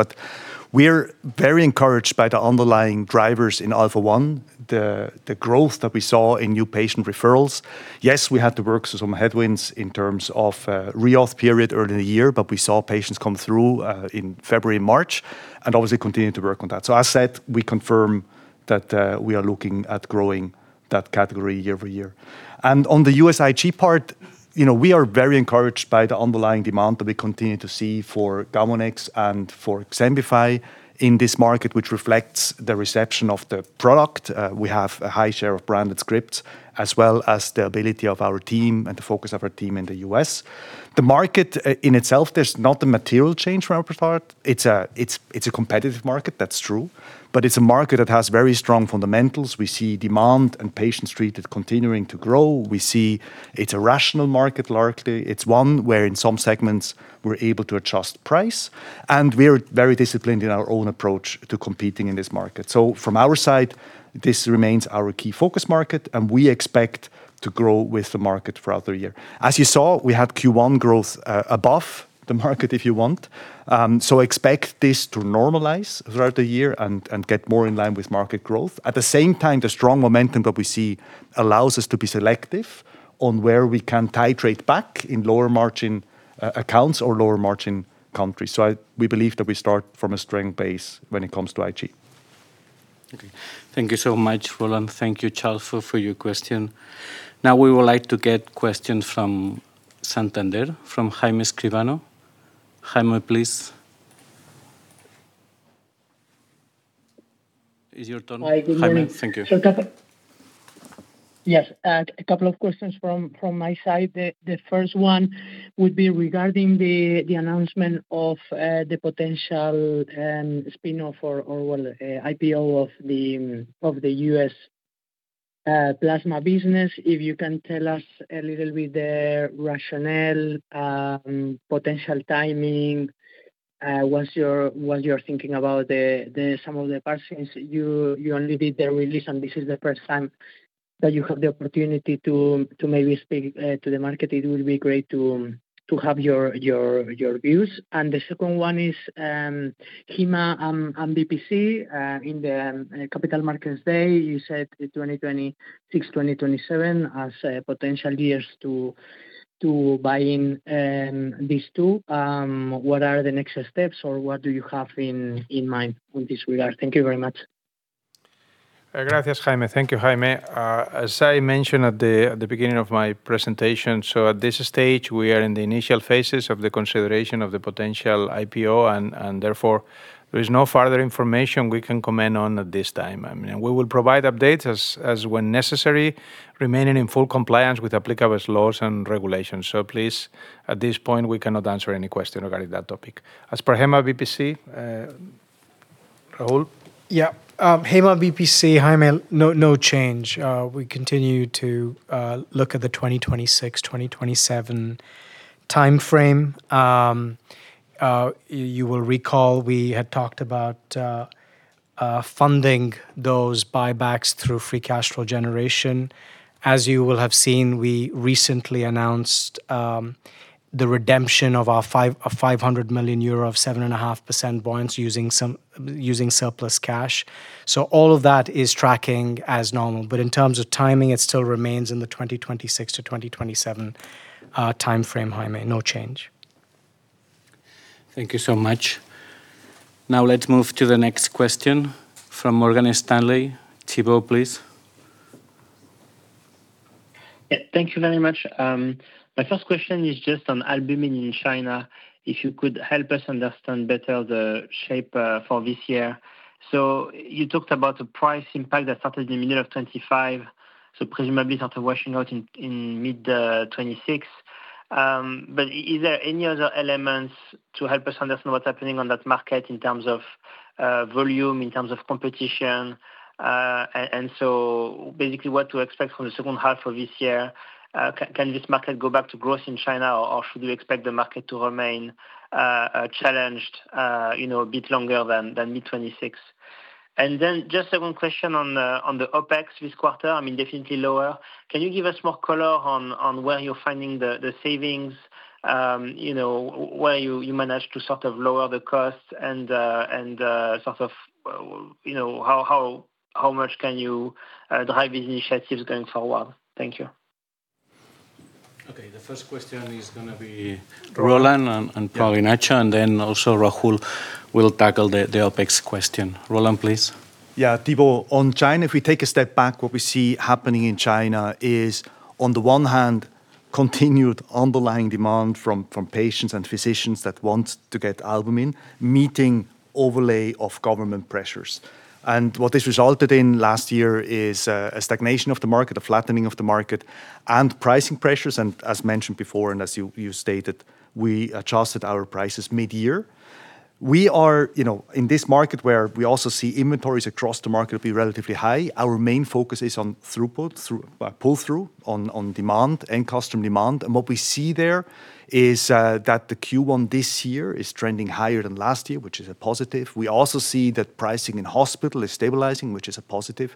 We're very encouraged by the underlying drivers in Alpha-1, the growth that we saw in new patient referrals. Yes, we had to work through some headwinds in terms of reauth period early in the year, but we saw patients come through in February and March and obviously continue to work on that. As said, we confirm that we are looking at growing that category year-over-year. On the U.S. IG part, you know, we are very encouraged by the underlying demand that we continue to see for Gamunex and for XEMBIFY in this market, which reflects the reception of the product. We have a high share of branded scripts, as well as the ability of our team and the focus of our team in the U.S. The market in itself, there's not a material change from our part. It's a competitive market, that's true, but it's a market that has very strong fundamentals. We see demand and patients treated continuing to grow. We see it's a rational market largely. It's one where in some segments we're able to adjust price, and we're very disciplined in our own approach to competing in this market. From our side, this remains our key focus market, and we expect to grow with the market throughout the year. As you saw, we had Q1 growth above the market if you want. Expect this to normalize throughout the year and get more in line with market growth. At the same time, the strong momentum that we see allows us to be selective on where we can titrate back in lower margin accounts or lower margin countries. We believe that we start from a strength base when it comes to IG. Okay. Thank you so much, Roland. Thank you, Charles, for your question. We would like to get questions from Santander, from Jaime Escribano. Jaime, please. It's your turn. Hi, good morning. Jaime, thank you. Yes, a couple of questions from my side. The first one would be regarding the announcement of the potential spin-off or, well, IPO of the U.S. plasma business. If you can tell us a little bit the rationale, potential timing, what's your, what you're thinking about the some of the portions you only did the release, and this is the first time that you have the opportunity to maybe speak to the market. It will be great to have your views. The second one is Haema and BPC, in the Capital Markets Day, you said 2026, 2027 as potential years to buying these two. What are the next steps, or what do you have in mind on this regard? Thank you very much. Gracias, Jaime. Thank you, Jaime. As I mentioned at the beginning of my presentation, at this stage, we are in the initial phases of the consideration of the potential IPO and, therefore, there is no further information we can comment on at this time. We will provide updates as when necessary, remaining in full compliance with applicable laws and regulations. Please, at this point, we cannot answer any question regarding that topic. As per Haema BPC, Rahul? Yeah. Haema BPC, Jaime, no change. We continue to look at the 2026-2027 timeframe. You will recall we had talked about funding those buybacks through free cash flow generation. As you will have seen, we recently announced the redemption of our 500 million euro of 7.5% bonds using surplus cash. All of that is tracking as normal. In terms of timing, it still remains in the 2026-2027 timeframe, Jaime. No change. Thank you so much. Let's move to the next question from Morgan Stanley. Thibault, please. Yeah. Thank you very much. My first question is just on albumin in China, if you could help us understand better the shape for this year. You talked about the price impact that started in the middle of 2025, so presumably not a washing out in mid 2026. Is there any other elements to help us understand what's happening on that market in terms of volume, in terms of competition? Basically what to expect from the second half of this year. Can this market go back to growth in China, or should we expect the market to remain challenged, you know, a bit longer than mid-2026? Just a one question on the OpEx this quarter, I mean, definitely lower. Can you give us more color on where you're finding the savings? You know, where you manage to sort of lower the cost and and sort of, you know, how much can you drive these initiatives going forward? Thank you. Okay. The first question is gonna be Roland. Roland and probably Nacho, and then also Rahul will tackle the OpEx question. Roland, please. Yeah, Thibault, on China, if we take a step back, what we see happening in China is, on the one hand, continued underlying demand from patients and physicians that want to get albumin, meeting overlay of government pressures. What this resulted in last year is a stagnation of the market, a flattening of the market, and pricing pressures. As mentioned before, as you stated, we adjusted our prices mid-year. We are, you know, in this market where we also see inventories across the market will be relatively high. Our main focus is on throughput through pull-through on demand and customer demand. What we see there is that the Q1 this year is trending higher than last year, which is a positive. We also see that pricing in hospital is stabilizing, which is a positive.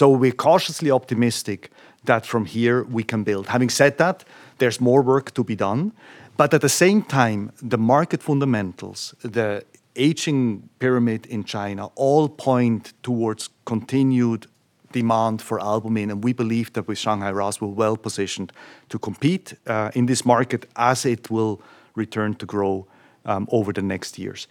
We're cautiously optimistic that from here we can build. Having said that, there's more work to be done. At the same time, the market fundamentals, the aging pyramid in China all point towards continued demand for albumin, and we believe that with Shanghai RAAS, we're well-positioned to compete in this market as it will return to grow over the next years.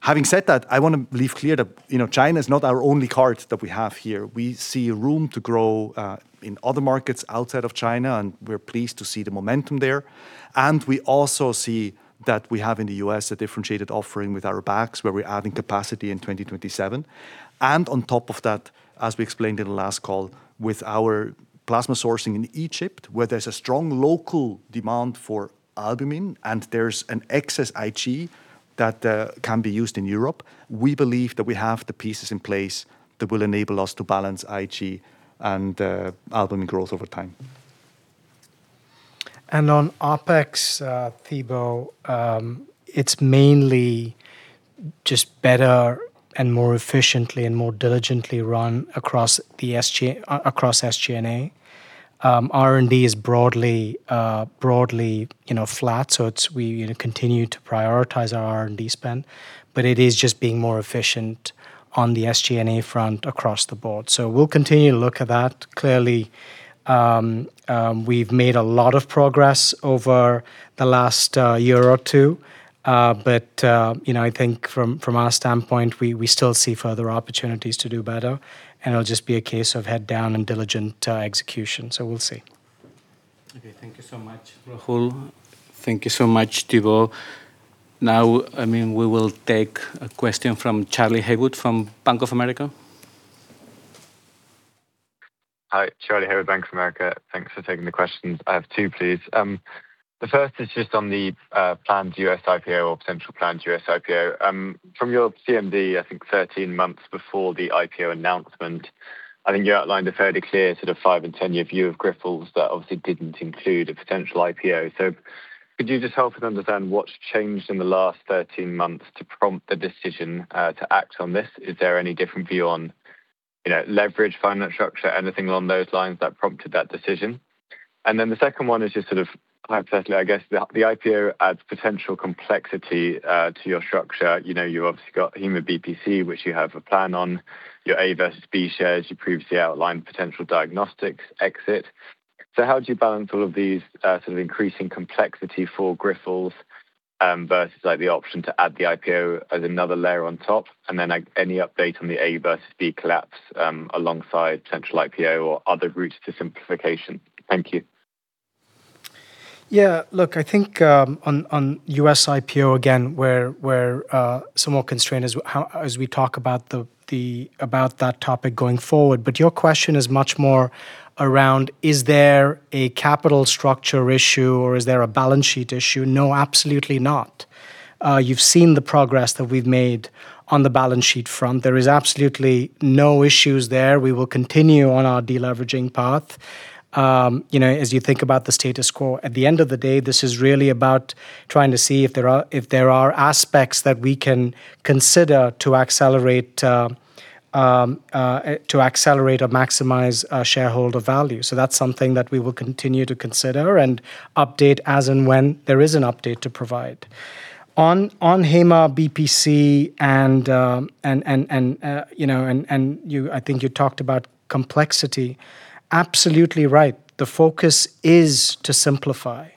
Having said that, I wanna leave clear that, you know, China is not our only card that we have here. We see room to grow in other markets outside of China, and we're pleased to see the momentum there. We also see that we have in the U.S. a differentiated offering with Arabax, where we're adding capacity in 2027. On top of that, as we explained in the last call, with our plasma sourcing in Egypt, where there's a strong local demand for albumin and there's an excess IG that can be used in Europe. We believe that we have the pieces in place that will enable us to balance IG and albumin growth over time. On OpEx, Thibault, it's mainly just better and more efficiently and more diligently run across SG&A. R&D is broadly, you know, flat, so we, you know, continue to prioritize our R&D spend. It is just being more efficient on the SG&A front across the board. We'll continue to look at that. Clearly, we've made a lot of progress over the last year or two. You know, I think from our standpoint, we still see further opportunities to do better, and it'll just be a case of head down and diligent execution. We'll see. Okay. Thank you so much, Rahul. Thank you so much, Thibault. I mean, we will take a question from Charlie Haywood from Bank of America. Hi. Charlie Haywood, Bank of America. Thanks for taking the questions. I have two, please. The first is just on the planned U.S. IPO or potential planned U.S. IPO. From your CMD, I think 13 months before the IPO announcement, I think you outlined a fairly clear sort of five- and 10-year view of Grifols that obviously didn't include a potential IPO. Could you just help us understand what's changed in the last 13 months to prompt the decision to act on this? Is there any different view on, you know, leverage, financial structure, anything along those lines that prompted that decision? The second one is just sort of quite certainly, I guess, the IPO adds potential complexity to your structure. You know, you've obviously got Haema and BPC, which you have a plan on, your A versus B shares. You previously outlined potential diagnostics exit. How do you balance all of these, sort of increasing complexity for Grifols, versus, like, the option to add the IPO as another layer on top? Like, any update on the A versus B collapse, alongside potential IPO or other routes to simplification? Thank you. Yeah. Look, I think, on US IPO again, we're somewhat constrained as we talk about the topic going forward. Your question is much more around, is there a capital structure issue or is there a balance sheet issue? No, absolutely not. You've seen the progress that we've made on the balance sheet front. There is absolutely no issues there. We will continue on our de-leveraging path. You know, as you think about the status quo, at the end of the day, this is really about trying to see if there are aspects that we can consider to accelerate or maximize shareholder value. That's something that we will continue to consider and update as and when there is an update to provide. On Haema and BPC, you know, I think you talked about complexity. Absolutely right. The focus is to simplify.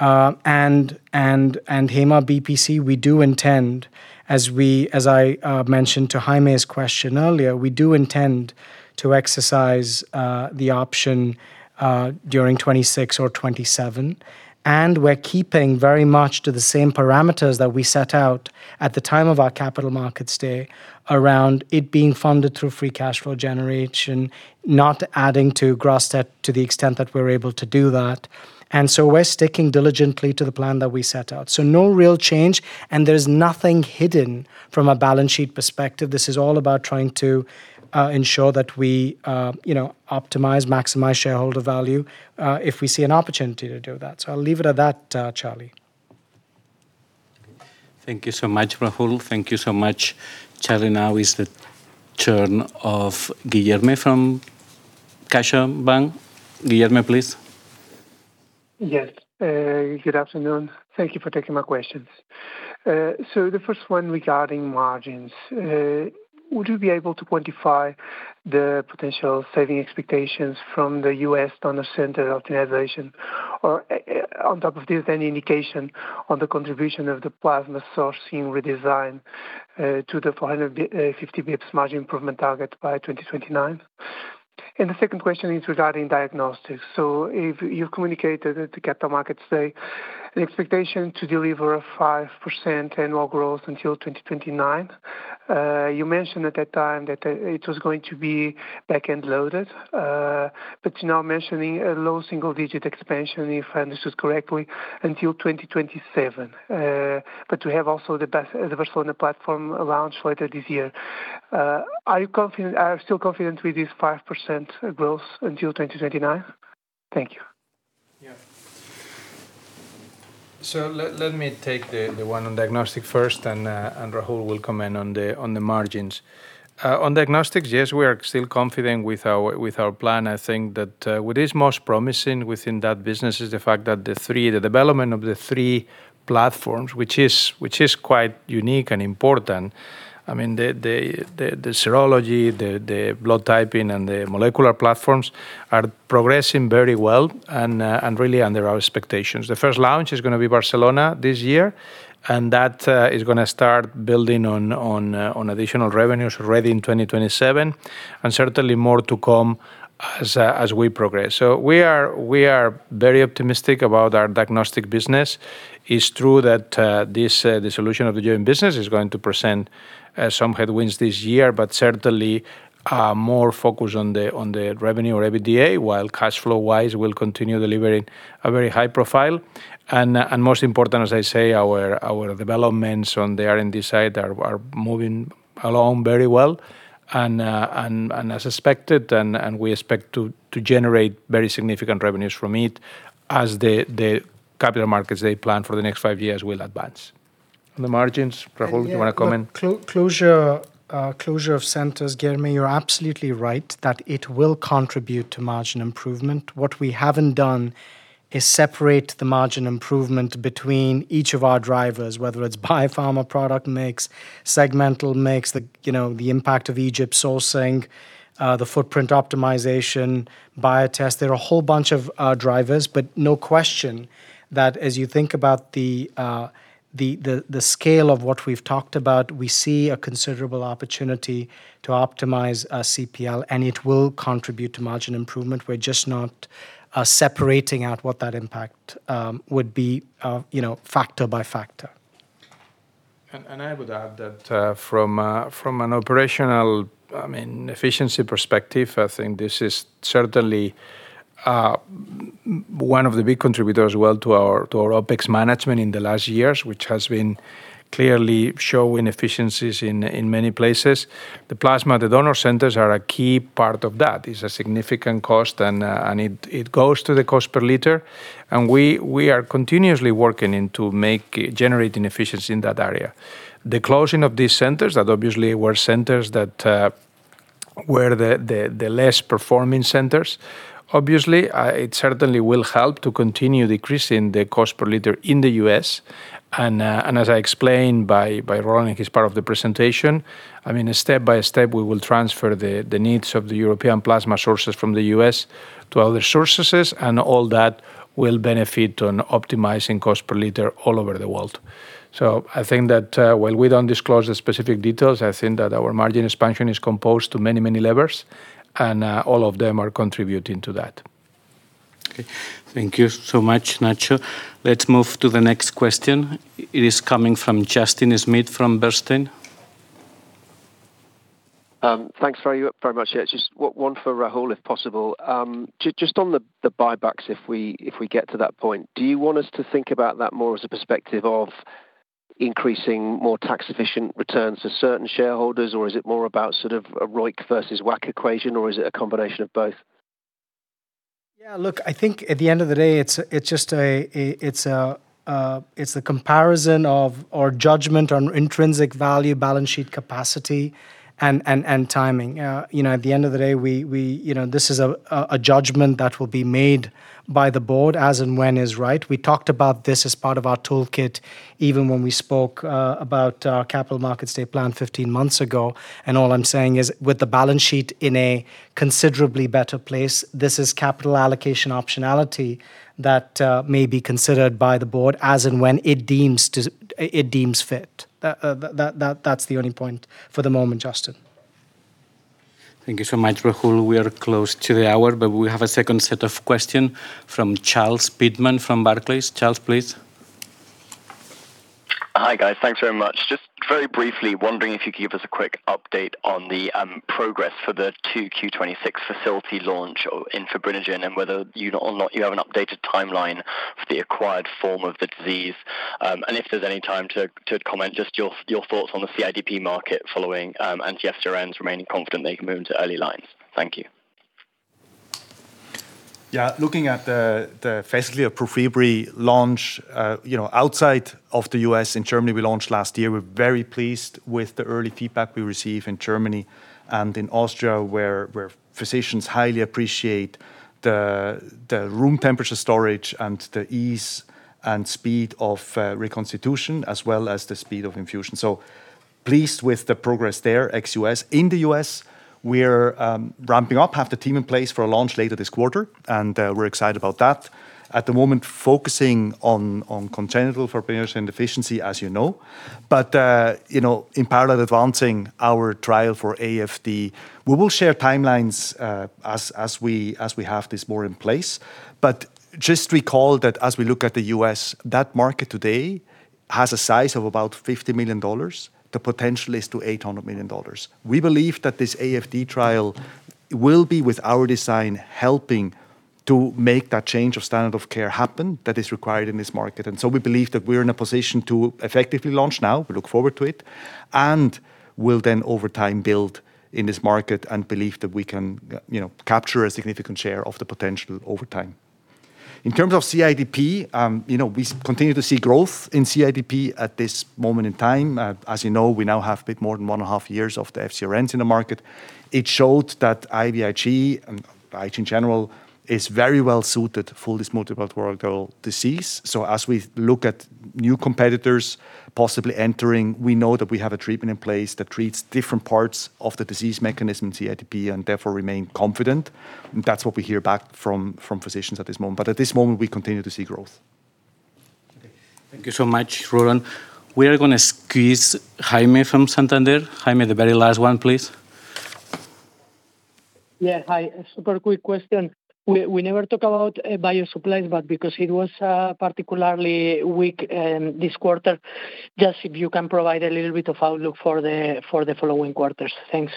Haema and BPC, we do intend, as I mentioned to Jaime's question earlier, we do intend to exercise the option during 2026 or 2027. We're keeping very much to the same parameters that we set out at the time of our Capital Markets Day around it being funded through free cash flow generation, not adding to gross debt to the extent that we're able to do that. We're sticking diligently to the plan that we set out. No real change, and there's nothing hidden from a balance sheet perspective. This is all about trying to, ensure that we, you know, optimize, maximize shareholder value, if we see an opportunity to do that. I'll leave it at that, Charlie. Thank you so much, Rahul. Thank you so much, Charlie. Now is the turn of Guilherme from CaixaBank. Guilherme, please. Yes. Good afternoon. Thank you for taking my questions. The first one regarding margins. Would you be able to quantify the potential saving expectations from the U.S. donor center optimization? On top of this, any indication on the contribution of the plasma sourcing redesign to the 50 basis points margin improvement target by 2029? The second question is regarding Diagnostic. If you've communicated at the Capital Markets Day an expectation to deliver a 5% annual growth until 2029. You mentioned at that time that it was going to be back-end loaded, you're now mentioning a low single-digit expansion, if I understood correctly, until 2027. We have also the Barcelona platform launch later this year. Are you still confident with this 5% growth until 2029? Thank you. Let me take the one on Diagnostic first, and Rahul will comment on the margins. On Diagnostics, yes, we are still confident with our plan. I think that what is most promising within that business is the fact that the development of the three platforms, which is quite unique and important. I mean, the serology, the blood typing, and the molecular platforms are progressing very well and really under our expectations. The first launch is going to be Barcelona this year, and that is going to start building on additional revenues already in 2027, and certainly more to come as we progress. We are very optimistic about our Diagnostic business. It's true that this dissolution of the joint business is going to present some headwinds this year, but certainly more focus on the revenue or EBITDA, while cash flow-wise, we'll continue delivering a very high profile. Most important, as I say, our developments on the R&D side are moving along very well and as expected, and we expect to generate very significant revenues from it as the capital markets they plan for the next five years will advance. On the margins, Rahul, do you wanna comment? Yeah. Closure of centers, Guilherme, you're absolutely right that it will contribute to margin improvement. What we haven't done is separate the margin improvement between each of our drivers, whether it's Biopharma product mix, segmental mix, the, you know, the impact of Egypt sourcing, the footprint optimization, Biotest. There are a whole bunch of drivers. No question that as you think about the scale of what we've talked about, we see a considerable opportunity to optimize our CPL, and it will contribute to margin improvement. We're just not separating out what that impact would be, you know, factor by factor. I would add that, from an operational, I mean, efficiency perspective, I think this is certainly one of the big contributors as well to our OpEx management in the last years, which has been clearly shown inefficiencies in many places. The plasma donor centers are a key part of that. It's a significant cost and it goes to the cost per liter, and we are continuously working to make generating efficiency in that area. The closing of these centers that obviously were the less performing centers, obviously, it certainly will help to continue decreasing the cost per liter in the U.S. As I explained by Roland as part of the presentation, I mean, step by step, we will transfer the needs of the European plasma sources from the U.S. to other sources, and all that will benefit on optimizing cost per liter all over the world. I think that, while we don't disclose the specific details, I think that our margin expansion is composed to many, many levers, and all of them are contributing to that. Okay. Thank you so much, Nacho. Let's move to the next question. It is coming from Justin Smith from Bernstein. thanks very much. Just one for Rahul, if possible. Just on the buybacks, if we get to that point, do you want us to think about that more as a perspective of increasing more tax-efficient returns to certain shareholders, or is it more about sort of a ROIC versus WACC equation, or is it a combination of both? Yeah, look, I think at the end of the day, it's just a comparison of or judgment on intrinsic value, balance sheet capacity, and timing. You know, at the end of the day, we, you know, this is a judgment that will be made by the board as and when is right. We talked about this as part of our toolkit, even when we spoke about our capital market state plan 15 months ago. All I'm saying is, with the balance sheet in a considerably better place, this is capital allocation optionality that may be considered by the board as and when it deems fit. That's the only point for the moment, Justin. Thank you so much, Rahul. We are close to the hour, but we have a second set of question from Charles Pitman from Barclays. Charles, please. Hi, guys. Thanks very much. Just very briefly wondering if you could give us a quick update on the progress for the 2Q 2026 facility launch in fibrinogen and whether you or not you have an updated timeline for the acquired form of the disease. If there's any time to comment, just your thoughts on the CIDP market following anti-FcRns remaining confident they can move into early lines. Thank you. Looking at the facility of Prufibry launch, you know, outside of the U.S. and Germany, we launched last year. We're very pleased with the early feedback we receive in Germany and in Austria, where physicians highly appreciate the room temperature storage and the ease and speed of reconstitution as well as the speed of infusion. Pleased with the progress there ex-U.S. In the U.S., we're ramping up, have the team in place for a launch later this quarter, and we're excited about that. At the moment, focusing on congenital fibrinogen deficiency, as you know. You know, in parallel advancing our trial for AFD. We will share timelines as we have this more in place. Just recall that as we look at the U.S., that market today has a size of about EUR 50 million. The potential is to EUR 800 million. We believe that this AFD trial will be with our design, helping to make that change of standard of care happen that is required in this market. We believe that we're in a position to effectively launch now. We look forward to it, and we'll then over time build in this market and believe that we can, you know, capture a significant share of the potential over time. In terms of CIDP, you know, we continue to see growth in CIDP at this moment in time. As you know, we now have a bit more than 1.5 years of the FcRNs in the market. It showed that IVIG and IVIG in general is very well-suited for this multilateral disease. As we look at new competitors possibly entering, we know that we have a treatment in place that treats different parts of the disease mechanism in CIDP and therefore remain confident. That's what we hear back from physicians at this moment. At this moment, we continue to see growth. Okay. Thank you so much, Roland. We are gonna squeeze Jaime from Santander. Jaime, the very last one, please. Yeah. Hi. A super quick question. We never talk about Biopharma, but because it was particularly weak this quarter, just if you can provide a little bit of outlook for the following quarters. Thanks.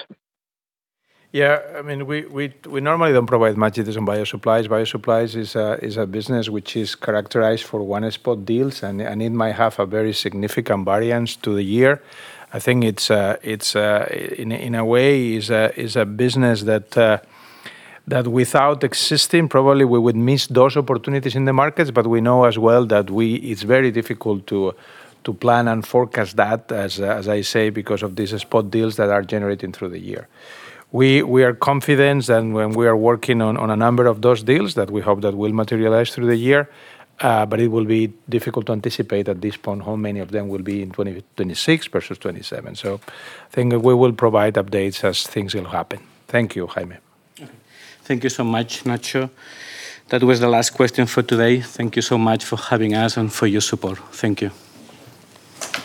Yeah. I mean, we normally don't provide much details on Bio Supplies. Bio supplies is a business which is characterized for one spot deals and it might have a very significant variance to the year. I think it's in a way is a business that without existing, probably we would miss those opportunities in the markets. We know as well that it's very difficult to plan and forecast that as I say, because of these spot deals that are generating through the year. We are confident and when we are working on a number of those deals that we hope that will materialize through the year, it will be difficult to anticipate at this point how many of them will be in 2026 versus 2027. I think we will provide updates as things will happen. Thank you, Jaime. Thank you so much, Nacho. That was the last question for today. Thank you so much for having us and for your support. Thank you.